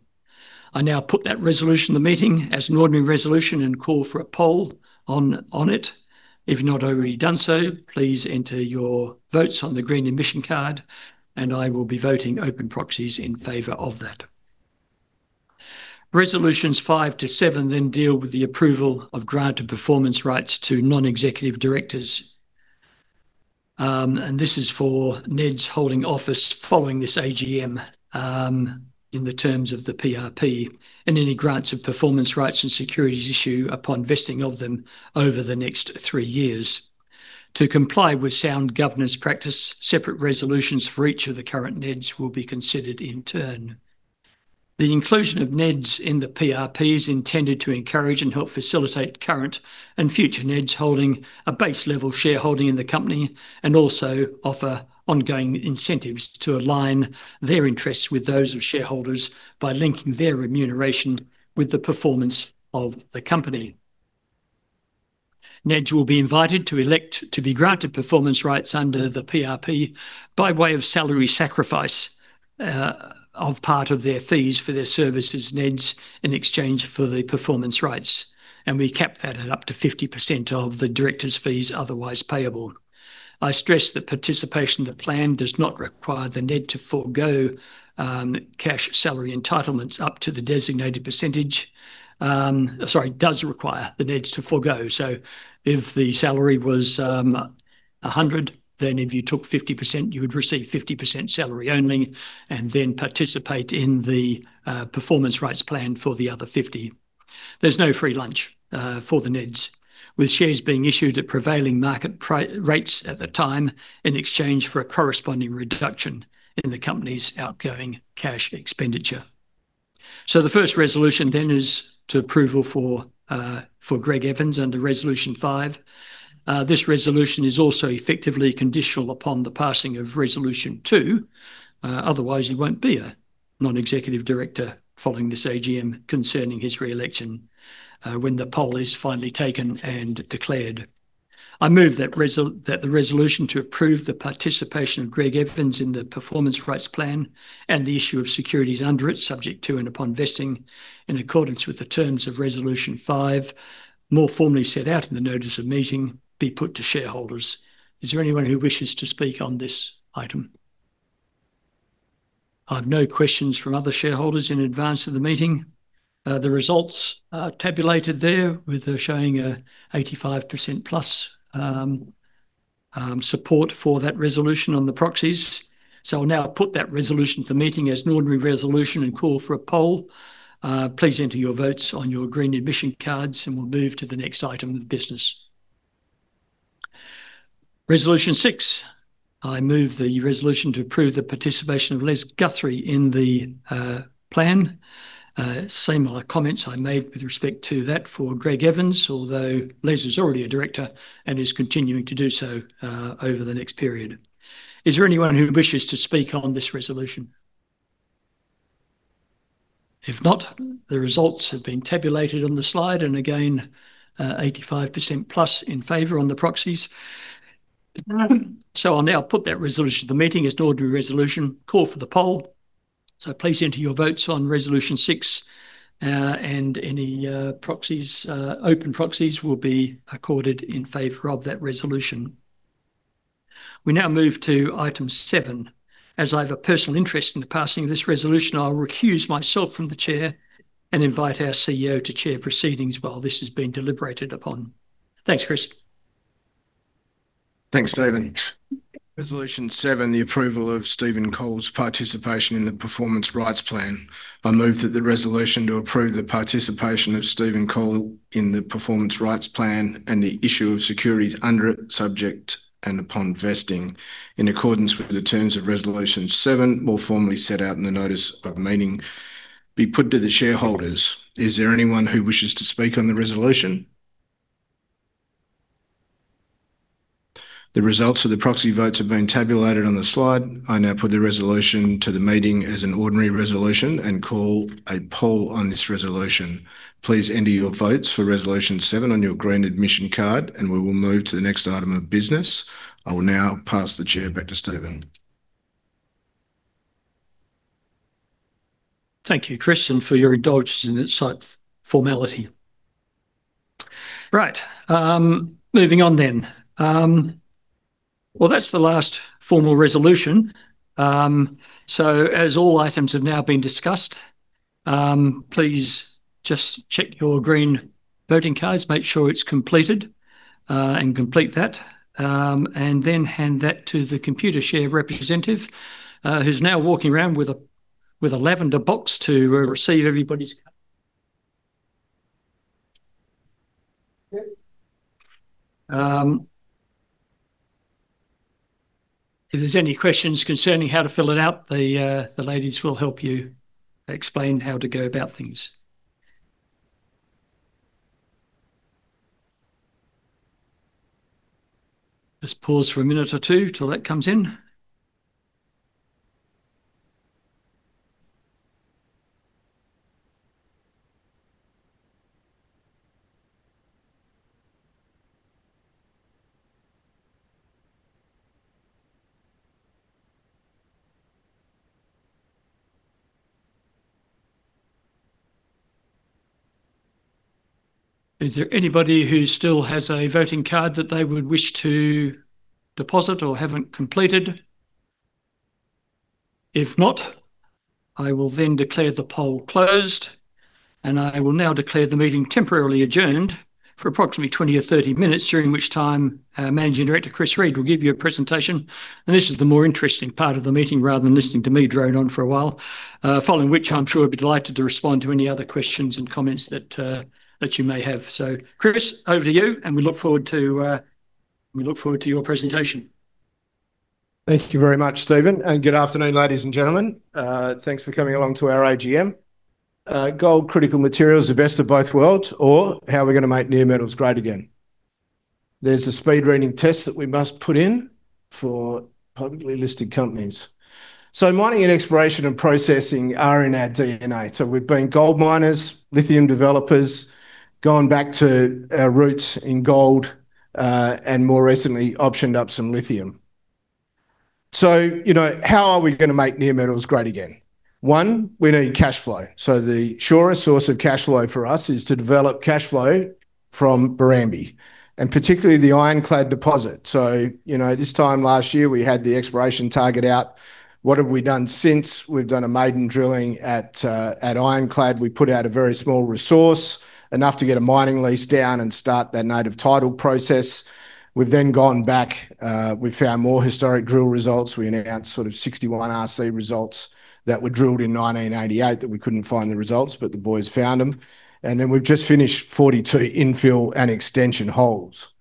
I now put that resolution to the meeting as an ordinary resolution and call for a poll on it. If you've not already done so, please enter your votes on the green admission card, and I will be voting open proxies in favor of that. Resolutions five to seven then deal with the approval of granted performance rights to non-executive directors. This is for NEDs holding office following this AGM, in the terms of the PRP and any grants of performance rights and securities issued upon vesting of them over the next three years. To comply with sound governance practice, separate resolutions for each of the current NEDs will be considered in turn. The inclusion of NEDs in the PRP is intended to encourage and help facilitate current and future NEDs holding a base level shareholding in the company and also offer ongoing incentives to align their interests with those of shareholders by linking their remuneration with the performance of the company. NEDs will be invited to elect to be granted performance rights under the PRP by way of salary sacrifice, of part of their fees for their services NEDs in exchange for the performance rights, and we cap that at up to 50% of the director's fees otherwise payable. I stress that participation in the plan does not require the NED to forgo cash salary entitlements up to the designated percentage, sorry, does require the NEDs to forgo. If the salary was 100, then if you took 50%, you would receive 50% salary only and then participate in the Performance Rights Plan for the other 50%. There is no free lunch for the NEDs, with shares being issued at prevailing market rates at the time in exchange for a corresponding reduction in the company's outgoing cash expenditure. The first resolution then is to approval for Greg Evans under resolution five. This resolution is also effectively conditional upon the passing of resolution two. Otherwise, he will not be a Non-Executive Director following this AGM concerning his re-election, when the poll is finally taken and declared. I move that the resolution to approve the participation of Greg Evans in the Performance Rights Plan and the issue of securities under it, subject to and upon vesting, in accordance with the terms of resolution five, more formally set out in the notice of meeting, be put to shareholders. Is there anyone who wishes to speak on this item? I have no questions from other shareholders in advance of the meeting. The results, tabulated therewith, showing a 85%+ support for that resolution on the proxies. I will now put that resolution to the meeting as an ordinary resolution and call for a poll. Please enter your votes on your green admission cards, and we will move to the next item of business. Resolution six. I move the resolution to approve the participation of Les Guthrie in the plan. Similar comments I made with respect to that for Greg Evans, although Les is already a director and is continuing to do so over the next period. Is there anyone who wishes to speak on this resolution? If not, the results have been tabulated on the slide, and again, 85%+ in favor on the proxies. I'll now put that resolution to the meeting as an ordinary resolution, call for the poll. Please enter your votes on resolution six, and any proxies, open proxies will be accorded in favor of that resolution. We now move to Item 7. As I have a personal interest in the passing of this resolution, I'll recuse myself from the chair and invite our CEO to chair proceedings while this has been deliberated upon. Thanks, Chris. Thanks, Stephen. Resolution 7, the approval of Stephen Cole's participation in the Performance Rights Plan. I move that the resolution to approve the participation of Stephen Cole in the Performance Rights Plan and the issue of securities under it, subject and upon vesting, in accordance with the terms of resolution seven, more formally set out in the notice of meeting, be put to the shareholders. Is there anyone who wishes to speak on the resolution? The results of the proxy votes have been tabulated on the slide. I now put the resolution to the meeting as an ordinary resolution and call a poll on this resolution. Please enter your votes for resolution seven on your green admission card, and we will move to the next item of business. I will now pass the chair back to Stephen. Thank you, Christian, for your indulgence in that sort of formality. Right. Moving on then. That is the last formal resolution. As all items have now been discussed, please just check your green voting cards, make sure it is completed, and complete that, and then hand that to the Computershare representative, who is now walking around with a lavender box to receive everybody's card. If there are any questions concerning how to fill it out, the ladies will help you explain how to go about things. Let's pause for a minute or two till that comes in. Is there anybody who still has a voting card that they would wish to deposit or have not completed? If not, I will then declare the poll closed, and I will now declare the meeting temporarily adjourned for approximately 20 or 30 minutes, during which time our Managing Director, Chris Reed, will give you a presentation. This is the more interesting part of the meeting rather than listening to me drone on for a while, following which I'm sure I'll be delighted to respond to any other questions and comments that you may have. Chris, over to you, and we look forward to your presentation. Thank you very much, Stephen. Good afternoon, ladies and gentlemen. Thanks for coming along to our AGM. Gold critical materials are best of both worlds, or how are we going to make Neometals great again? There's a speed reading test that we must put in for publicly listed companies. Mining and exploration and processing are in our DNA. We've been gold miners, lithium developers, gone back to our roots in gold, and more recently optioned up some lithium. You know, how are we going to make Neometals great again? One, we need cash flow. The surest source of cash flow for us is to develop cash flow from Barrambie, and particularly the Ironclad deposit. You know, this time last year we had the exploration target out. What have we done since? We've done a maiden drilling at Ironclad. We put out a very small resource, enough to get a mining lease down and start that native title process. We've then gone back, we found more historic drill results. We announced 61 RC results that were drilled in 1988 that we couldn't find the results, but the boys found them. We've just finished 42 infill and extension holes.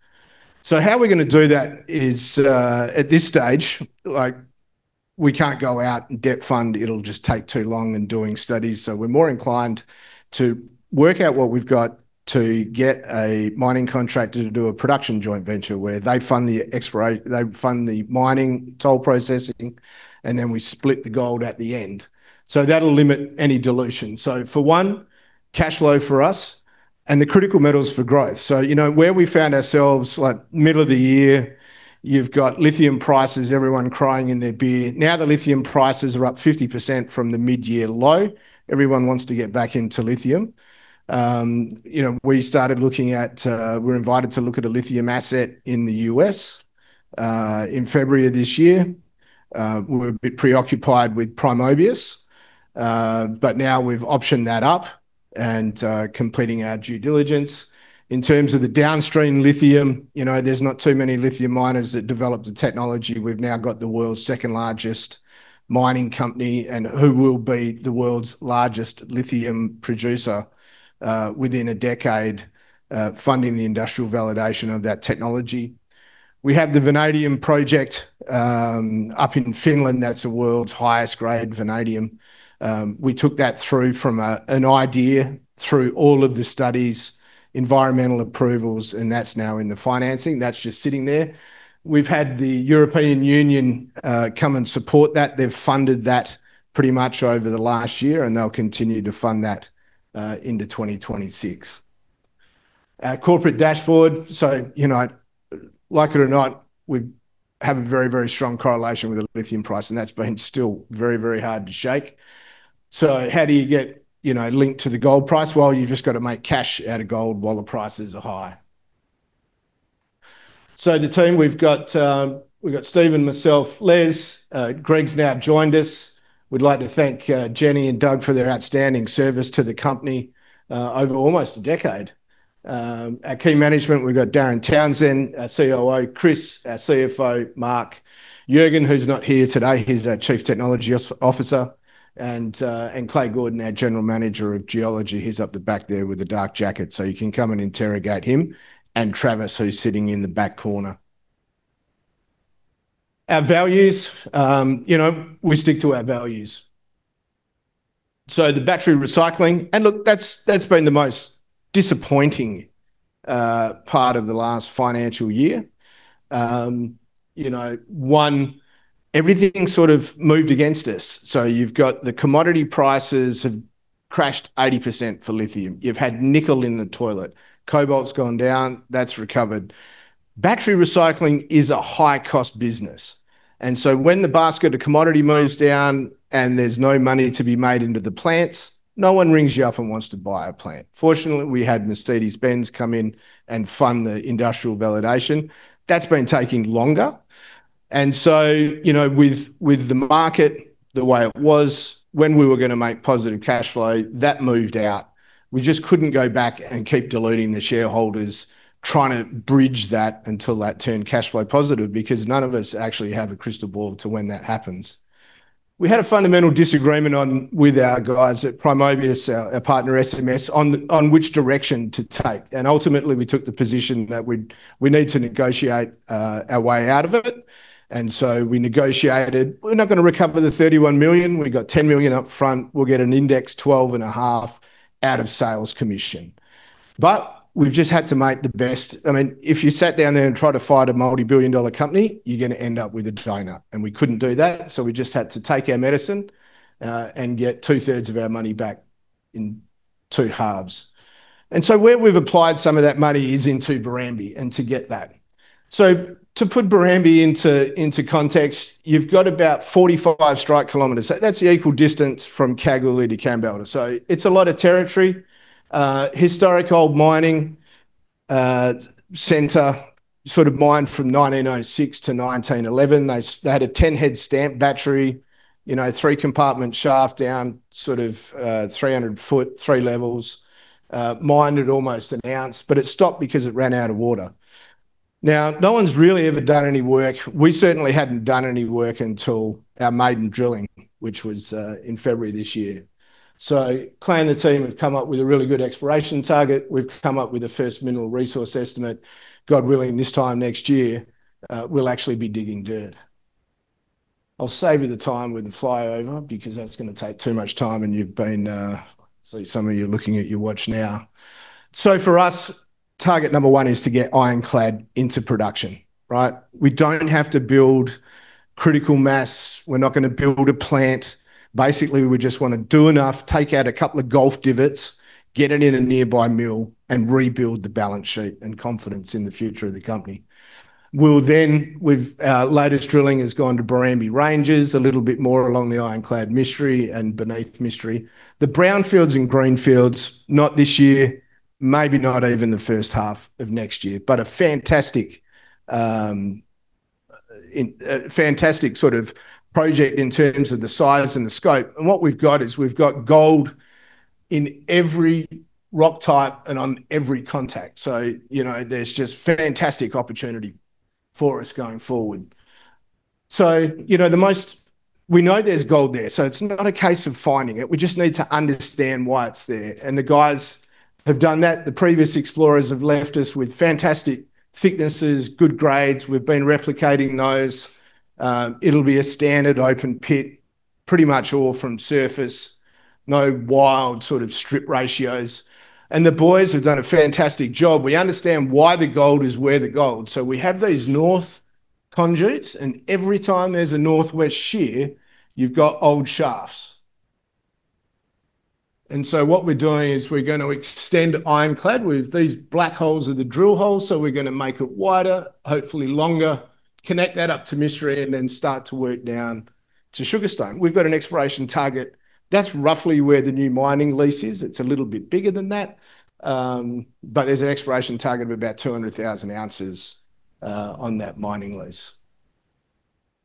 How are we going to do that is, at this stage, like we can't go out and debt fund. It'll just take too long in doing studies. We're more inclined to work out what we've got to get a mining contractor to do a production joint venture where they fund the exploration, they fund the mining toll processing, and then we split the gold at the end. That'll limit any dilution. For one, cash flow for us and the critical metals for growth. You know, where we found ourselves, like middle of the year, you've got lithium prices, everyone crying in their beer. Now the lithium prices are up 50% from the mid-year low. Everyone wants to get back into lithium. You know, we started looking at, we were invited to look at a lithium asset in the U.S., in February of this year. We were a bit preoccupied with Primobius, but now we've optioned that up and, completing our due diligence. In terms of the downstream lithium, you know, there's not too many lithium miners that develop the technology. We've now got the world's second largest mining company and who will be the world's largest lithium producer, within a decade, funding the industrial validation of that technology. We have the vanadium project, up in Finland. That's a world's highest grade vanadium. We took that through from an idea through all of the studies, environmental approvals, and that's now in the financing. That's just sitting there. We've had the European Union, come and support that. They've funded that pretty much over the last year and they'll continue to fund that, into 2026. Corporate dashboard. You know, like it or not, we have a very, very strong correlation with the lithium price and that's been still very, very hard to shake. How do you get, you know, linked to the gold price? You've just got to make cash out of gold while the prices are high. The team, we've got Stephen, myself, Les, Greg's now joined us. We'd like to thank Jenny and Doug for their outstanding service to the company, over almost a decade. Our key management, we've got Darren Townsend, our COO, Chris, our CFO, Mark Jürgensen, who's not here today. He's our Chief Technology Officer, and Clay Gordon, our General Manager of Geology. He's up the back there with the dark jacket, so you can come and interrogate him and Travis, who's sitting in the back corner. Our values, you know, we stick to our values. The battery recycling, and look, that's been the most disappointing part of the last financial year. You know, one, everything sort of moved against us. So you've got the commodity prices have crashed 80% for lithium. You've had nickel in the toilet. Cobalt's gone down. That's recovered. Battery recycling is a high-cost business. And so when the basket of commodity moves down and there's no money to be made into the plants, no one rings you up and wants to buy a plant. Fortunately, we had Mercedes-Benz come in and fund the industrial validation. That's been taking longer. And so, you know, with, with the market, the way it was, when we were going to make positive cash flow, that moved out. We just couldn't go back and keep diluting the shareholders trying to bridge that until that turned cash flow positive because none of us actually have a crystal ball to when that happens. We had a fundamental disagreement with our guys at Primobius, our partner SMS, on which direction to take. Ultimately, we took the position that we'd need to negotiate our way out of it. We negotiated, we're not going to recover 31 million. We've got 10 million up front. We'll get an indexed 12.5 million out of sales commission. We've just had to make the best. I mean, if you sat down there and tried to fight a multi-billion dollar company, you're going to end up with a diner. We couldn't do that. We just had to take our medicine and get two thirds of our money back in two halves. Where we've applied some of that money is into Barrambie and to get that. To put Barrambie into context, you've got about 45 strike kilometers. That's the equal distance from Kalgoorlie to Kambalda. It's a lot of territory, historic old mining center, sort of mined from 1906 to 1911. They had a 10 head stamp battery, you know, three compartment shaft down, sort of, 300 ft, three levels, mined at almost an ounce, but it stopped because it ran out of water. Now, no one's really ever done any work. We certainly hadn't done any work until our maiden drilling, which was in February this year. So Clay and the team have come up with a really good exploration target. We've come up with the first mineral resource estimate. God willing, this time next year, we'll actually be digging dirt. I'll save you the time with the flyover because that's going to take too much time and you've been, I see some of you looking at your watch now. For us, target number one is to get Ironclad into production, right? We don't have to build critical mass. We're not going to build a plant. Basically, we just want to do enough, take out a couple of golf divots, get it in a nearby mill and rebuild the balance sheet and confidence in the future of the company. Our latest drilling has gone to Barrambie Ranges, a little bit more along the Ironclad mystery and beneath Mystery. The brownfields and greenfields, not this year, maybe not even the first half of next year, but a fantastic, fantastic sort of project in terms of the size and the scope. What we've got is we've got gold in every rock type and on every contact. You know, there's just fantastic opportunity for us going forward. You know, the most, we know there's gold there. It's not a case of finding it. We just need to understand why it's there. The guys have done that. The previous explorers have left us with fantastic thicknesses, good grades. We've been replicating those. It'll be a standard open pit, pretty much all from surface, no wild sort of strip ratios. The boys have done a fantastic job. We understand why the gold is where the gold. We have these north conduits and every time there's a northwest shear, you've got old shafts. What we're doing is we're going to extend Ironclad with these black holes of the drill hole. We're going to make it wider, hopefully longer, connect that up to Mystery and then start to work down to Sugarstone. We've got an exploration target. That's roughly where the new mining lease is. It's a little bit bigger than that, but there's an exploration target of about 200,000 ounces on that mining lease.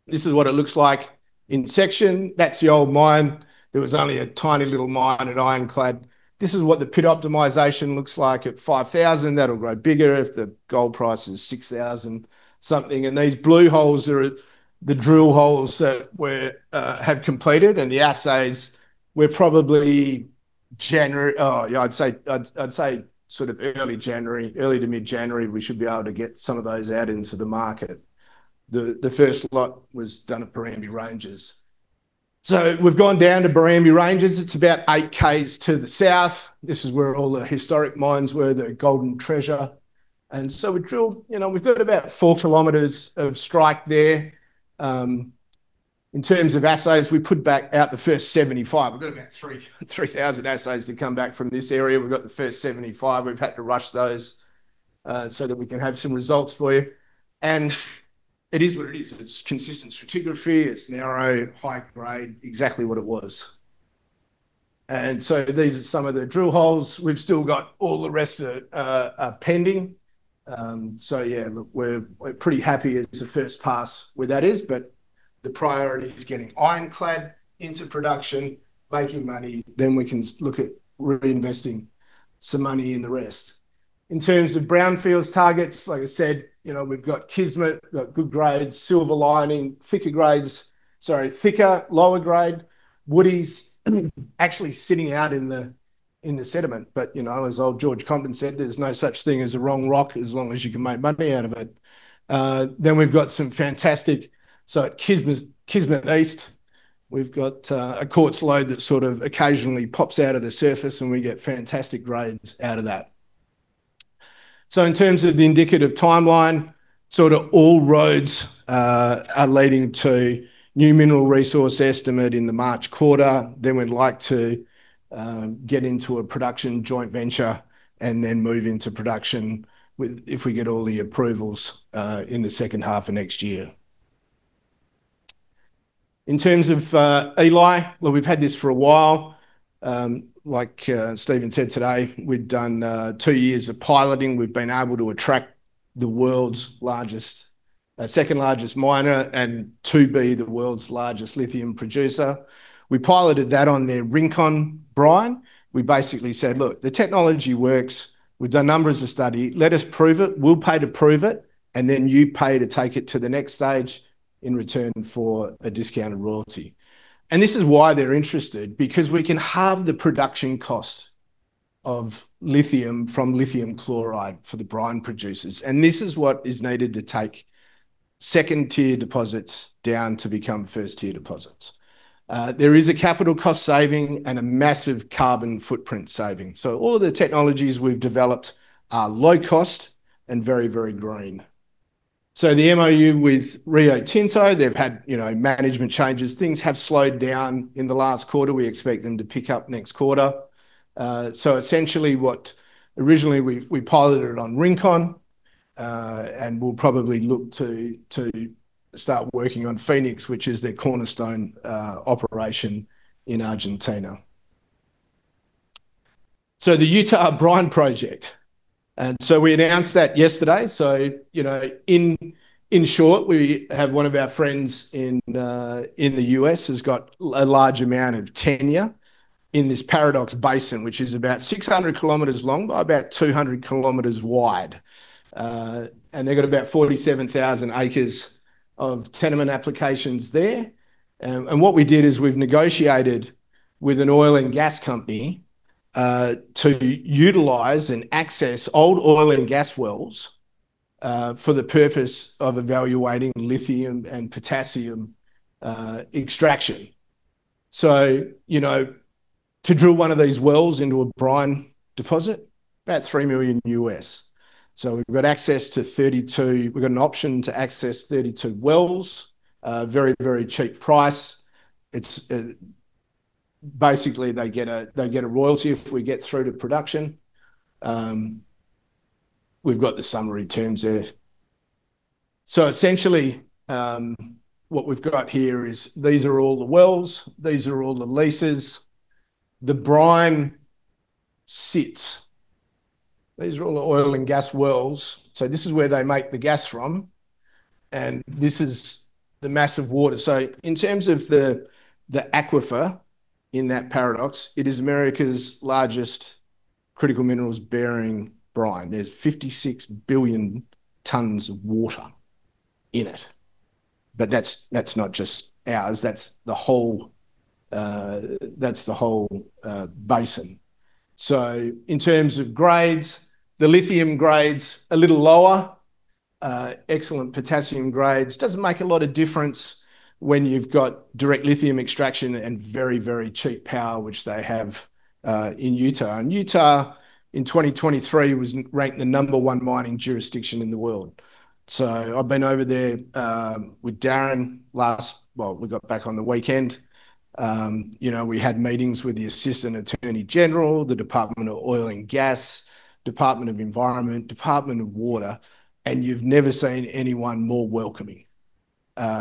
This is what it looks like in section. That's the old mine. There was only a tiny little mine at Ironclad. This is what the pit optimization looks like at 5,000. That'll grow bigger if the gold price is 6,000 something. These blue holes are the drill holes that were completed and the assays were probably January, I'd say, I'd say sort of early January, early to mid-January, we should be able to get some of those out into the market. The first lot was done at Barrambie Ranges. We've gone down to Barrambie Ranges. It's about 8 km to the south. This is where all the historic mines were, the golden treasure. You know, we've got about 4 km of strike there. In terms of assays, we put back out the first 75 km. We've got about 3,000 assays to come back from this area. We've got the first 75 km. We've had to rush those so that we can have some results for you. It is what it is. It's consistent stratigraphy. It's narrow, high grade, exactly what it was. These are some of the drill holes. We've still got all the rest of it pending. Yeah, look, we're pretty happy as a first pass with what that is, but the priority is getting Ironclad into production, making money. Then we can look at reinvesting some money in the rest. In terms of brownfields targets, like I said, you know, we've got Kismet, we've got good grades, Silver Lining, thicker grades, sorry, thicker, lower grade, Woodies actually sitting out in the, in the sediment. But, you know, as old George Compton said, there's no such thing as a wrong rock as long as you can make money out of it. Then we've got some fantastic. At Kismet, Kismet East, we've got a quartz load that sort of occasionally pops out of the surface and we get fantastic grades out of that. In terms of the indicative timeline, sort of all roads are leading to new mineral resource estimate in the March quarter. We'd like to get into a production joint venture and then move into production with, if we get all the approvals, in the second half of next year. In terms of ELi, we've had this for a while. Like Stephen said today, we've done two years of piloting. We've been able to attract the world's largest, second largest miner and to be the world's largest lithium producer. We piloted that on their Rincon brine. We basically said, look, the technology works. We've done numbers of study. Let us prove it. We'll pay to prove it. You pay to take it to the next stage in return for a discounted royalty. This is why they're interested, because we can halve the production cost of lithium from lithium chloride for the brine producers. This is what is needed to take second tier deposits down to become first tier deposits. There is a capital cost saving and a massive carbon footprint saving. All of the technologies we've developed are low cost and very, very green. The MoU with Rio Tinto, they've had, you know, management changes. Things have slowed down in the last quarter. We expect them to pick up next quarter. Essentially what originally we piloted it on Rincon, and we'll probably look to start working on Phoenix, which is their cornerstone operation in Argentina. The Utah brine project, we announced that yesterday. In short, we have one of our friends in the U.S. has got a large amount of tenure in this Paradox Basin, which is about 600 km long by about 200 km wide. They've got about 47,000 acres of tenement applications there. What we did is we've negotiated with an oil and gas company to utilize and access old oil and gas wells for the purpose of evaluating lithium and potassium extraction. You know, to drill one of these wells into a brine deposit, about $3 million. We've got access to 32, we've got an option to access 32 wells, very, very cheap price. Basically, they get a royalty if we get through to production. We've got the summary terms there. Essentially, what we've got here is these are all the wells, these are all the leases, the brine sits, these are all the oil and gas wells. This is where they make the gas from. This is the mass of water. In terms of the aquifer in that Paradox, it is America's largest critical minerals bearing brine. There are 56 billion tons of water in it. That's not just ours, that's the whole basin. In terms of grades, the lithium grade is a little lower, excellent potassium grades, does not make a lot of difference when you have direct lithium extraction and very, very cheap power, which they have in Utah. Utah in 2023 was ranked the number one mining jurisdiction in the world. I have been over there with Darren last, we got back on the weekend. You know, we had meetings with the Assistant Attorney General, the Department of Oil and Gas, Department of Environment, Department of Water, and you have never seen anyone more welcoming.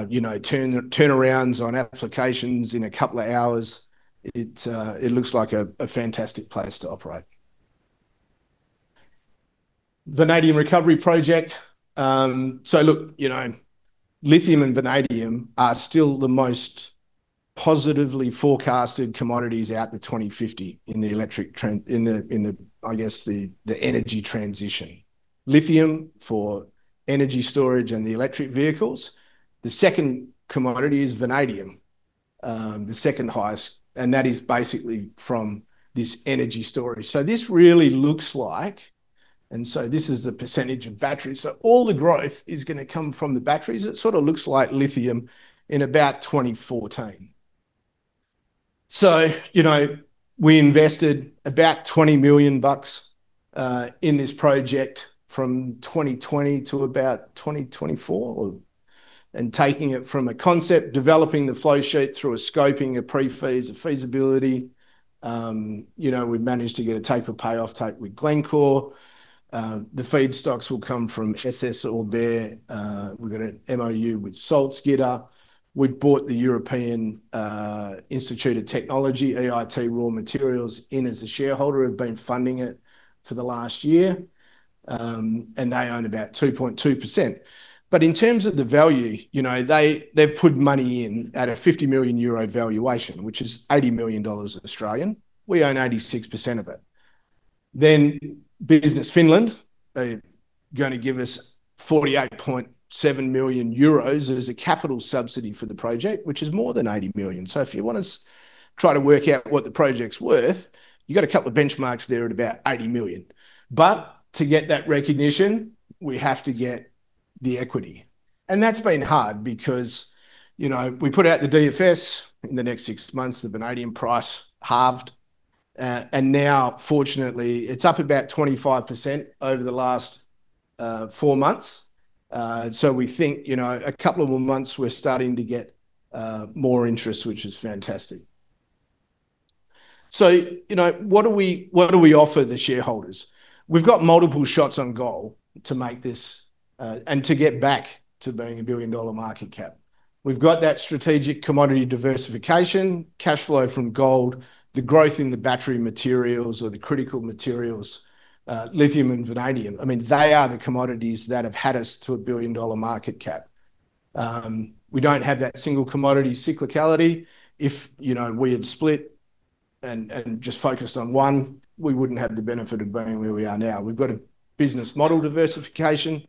You know, turnarounds on applications in a couple of hours. It looks like a fantastic place to operate. Vanadium recovery project. Look, you know, lithium and vanadium are still the most positively forecasted commodities out to 2050 in the electric trend, in the, I guess, the energy transition, lithium for energy storage and the electric vehicles. The second commodity is vanadium, the second highest, and that is basically from this energy storage. This really looks like, and this is the percentage of batteries. All the growth is going to come from the batteries. It sort of looks like lithium in about 2014. You know, we invested about 20 million bucks in this project from 2020 to about 2024, and taking it from a concept, developing the flow sheet through a scoping, a pre-feasibility, a feasibility. You know, we've managed to get a taper payoff tape with Glencore. The feedstocks will come from SSAB. We've got an MoU with Salzgitter. We brought the European Institute of Technology, EIT Raw Materials, in as a shareholder, have been funding it for the last year, and they own about 2.2%. In terms of the value, you know, they've put money in at a 50 million euro valuation, which is 80 million Australian dollars. We own 86% of it. Business Finland, they're going to give us 48.7 million euros as a capital subsidy for the project, which is more than 80 million. If you want to try to work out what the project's worth, you've got a couple of benchmarks there at about 80 million. To get that recognition, we have to get the equity. That's been hard because, you know, we put out the DFS and in the next six months, the vanadium price halved. Now fortunately it's up about 25% over the last four months. We think, you know, a couple of months we're starting to get more interest, which is fantastic. You know, what do we offer the shareholders? We've got multiple shots on goal to make this, and to get back to being a billion dollar market cap. We've got that strategic commodity diversification, cash flow from gold, the growth in the battery materials or the critical materials, lithium and vanadium. I mean, they are the commodities that have had us to a billion dollar market cap. We don't have that single commodity cyclicality. If, you know, we had split and just focused on one, we wouldn't have the benefit of being where we are now. We've got a business model diversification.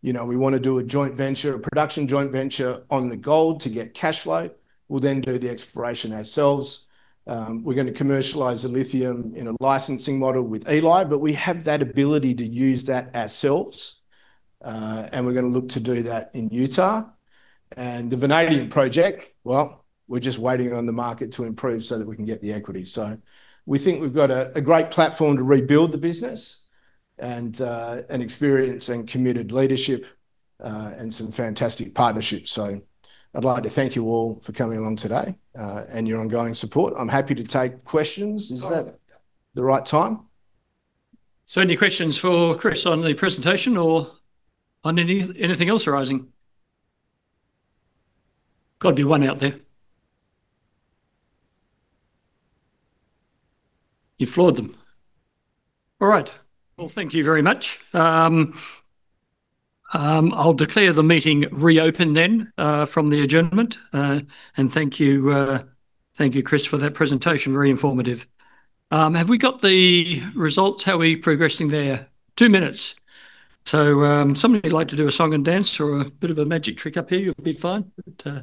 You know, we want to do a joint venture, a production joint venture on the gold to get cash flow. We'll then do the exploration ourselves. We're going to commercialize the lithium in a licensing model with ELi, but we have that ability to use that ourselves. We're going to look to do that in Utah. The vanadium project, well, we're just waiting on the market to improve so that we can get the equity. We think we've got a great platform to rebuild the business and experience and committed leadership, and some fantastic partnerships. I'd like to thank you all for coming along today, and your ongoing support. I'm happy to take questions. Is that the right time? Any questions for Chris on the presentation or on anything else arising? Got to be one out there. You floored them. All right. Thank you very much. I declare the meeting reopened then, from the adjournment. Thank you, thank you Chris for that presentation. Very informative. Have we got the results? How are we progressing there? Two minutes. If somebody would like to do a song and dance or a bit of a magic trick up here, it would be fine. We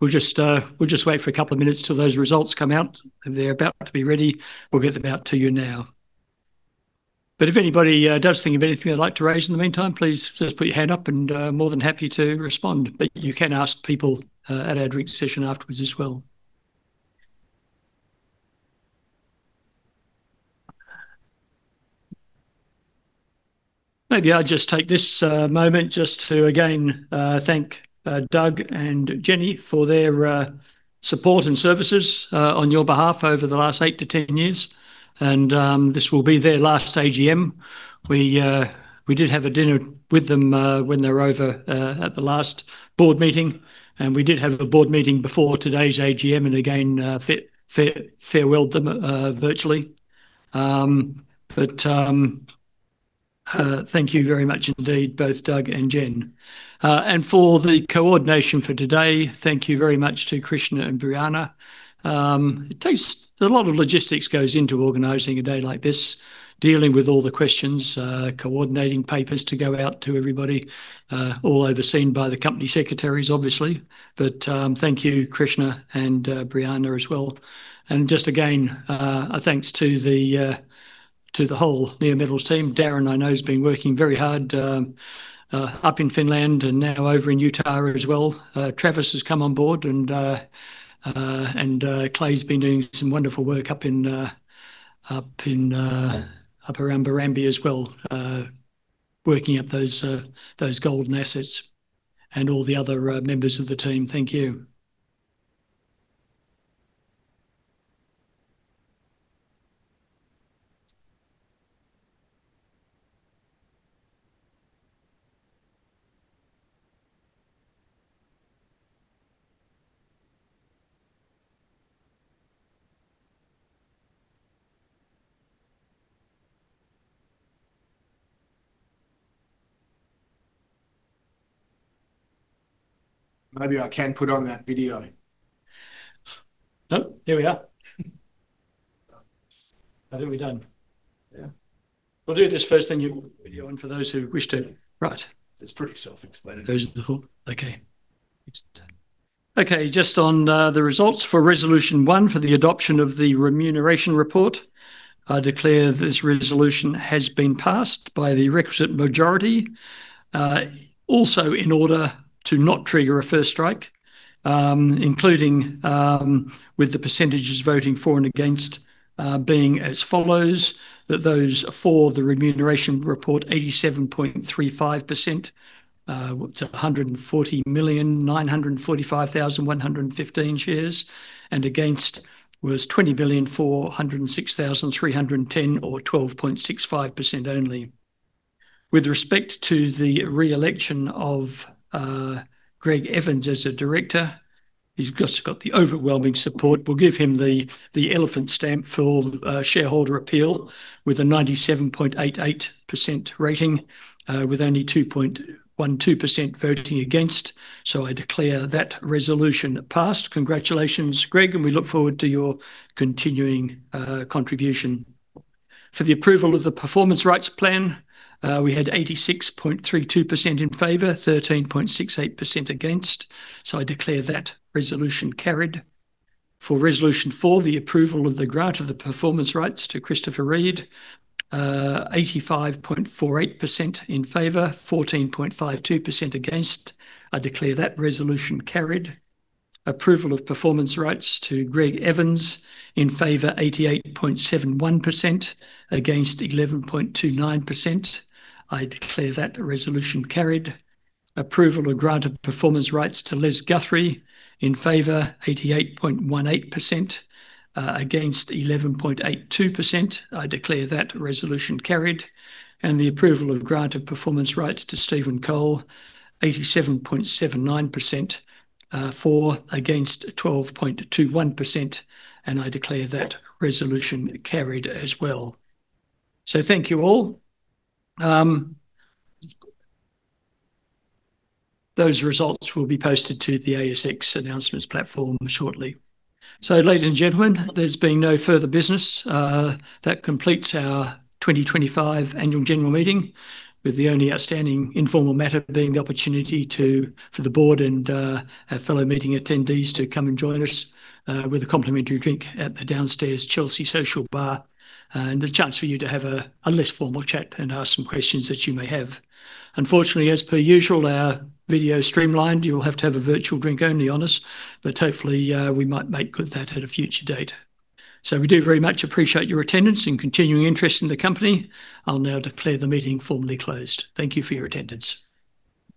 will just wait for a couple of minutes till those results come out. If they are about to be ready, we will get them out to you now. If anybody does think of anything they would like to raise in the meantime, please just put your hand up and more than happy to respond. You can ask people at our drink session afterwards as well. Maybe I'll just take this moment just to again thank Doug and Jenny for their support and services on your behalf over the last 8-10 years. This will be their last AGM. We did have a dinner with them when they were over at the last board meeting. We did have a board meeting before today's AGM and again farewelled them virtually. Thank you very much indeed, both Doug and Jenny. For the coordination for today, thank you very much to Krishna and Brianna. It takes a lot of logistics to organize a day like this, dealing with all the questions, coordinating papers to go out to everybody, all overseen by the company secretaries, obviously. Thank you, Krishna and Brianna as well. Just again, a thanks to the whole Neometals team. Darren I know has been working very hard, up in Finland and now over in Utah as well. Travis has come on board, and Clay's been doing some wonderful work up in, up around Barrambie as well, working up those golden assets and all the other members of the team. Thank you. Maybe I can put on that video. Oh, here we are. I think we're done. Yeah, we'll do this first thing you want for those who wish to. Right. It's pretty self-explanatory. Okay. Okay.Just on the results for resolution one for the adoption of the remuneration report, I declare this resolution has been passed by the requisite majority, also in order to not trigger a first strike, including with the percentages voting for and against, being as follows: that those for the remuneration report, 87.35%, to 140,945,115 shares and against was 20,406,310 or 12.65% only. With respect to the reelection of Greg Evans as a director, he's just got the overwhelming support. We'll give him the elephant stamp for shareholder appeal with a 97.88% rating, with only 2.12% voting against. I declare that resolution passed. Congratulations, Greg, and we look forward to your continuing contribution. For the approval of the performance rights plan, we had 86.32% in favor, 13.68% against. I declare that resolution carried. For resolution four, the approval of the grant of the performance rights to Chris Reed, 85.48% in favor, 14.52% against. I declare that resolution carried. Approval of performance rights to Greg Evans in favor, 88.71%, against 11.29%. I declare that resolution carried. Approval of grant of performance rights to Les Guthrie in favor, 88.18%, against 11.82%. I declare that resolution carried. The approval of grant of performance rights to Stephen Cole, 87.79% for, against 12.21%. I declare that resolution carried as well. Thank you all. Those results will be posted to the ASX announcements platform shortly. Ladies and gentlemen, there has been no further business. That completes our 2025 annual general meeting, with the only outstanding informal matter being the opportunity for the board and our fellow meeting attendees to come and join us with a complimentary drink at the downstairs Chelsea Social Bar, and the chance for you to have a less formal chat and ask some questions that you may have. Unfortunately, as per usual, our video streamlined, you'll have to have a virtual drink only on us, but hopefully, we might make good that at a future date. We do very much appreciate your attendance and continuing interest in the company. I'll now declare the meeting formally closed. Thank you for your attendance.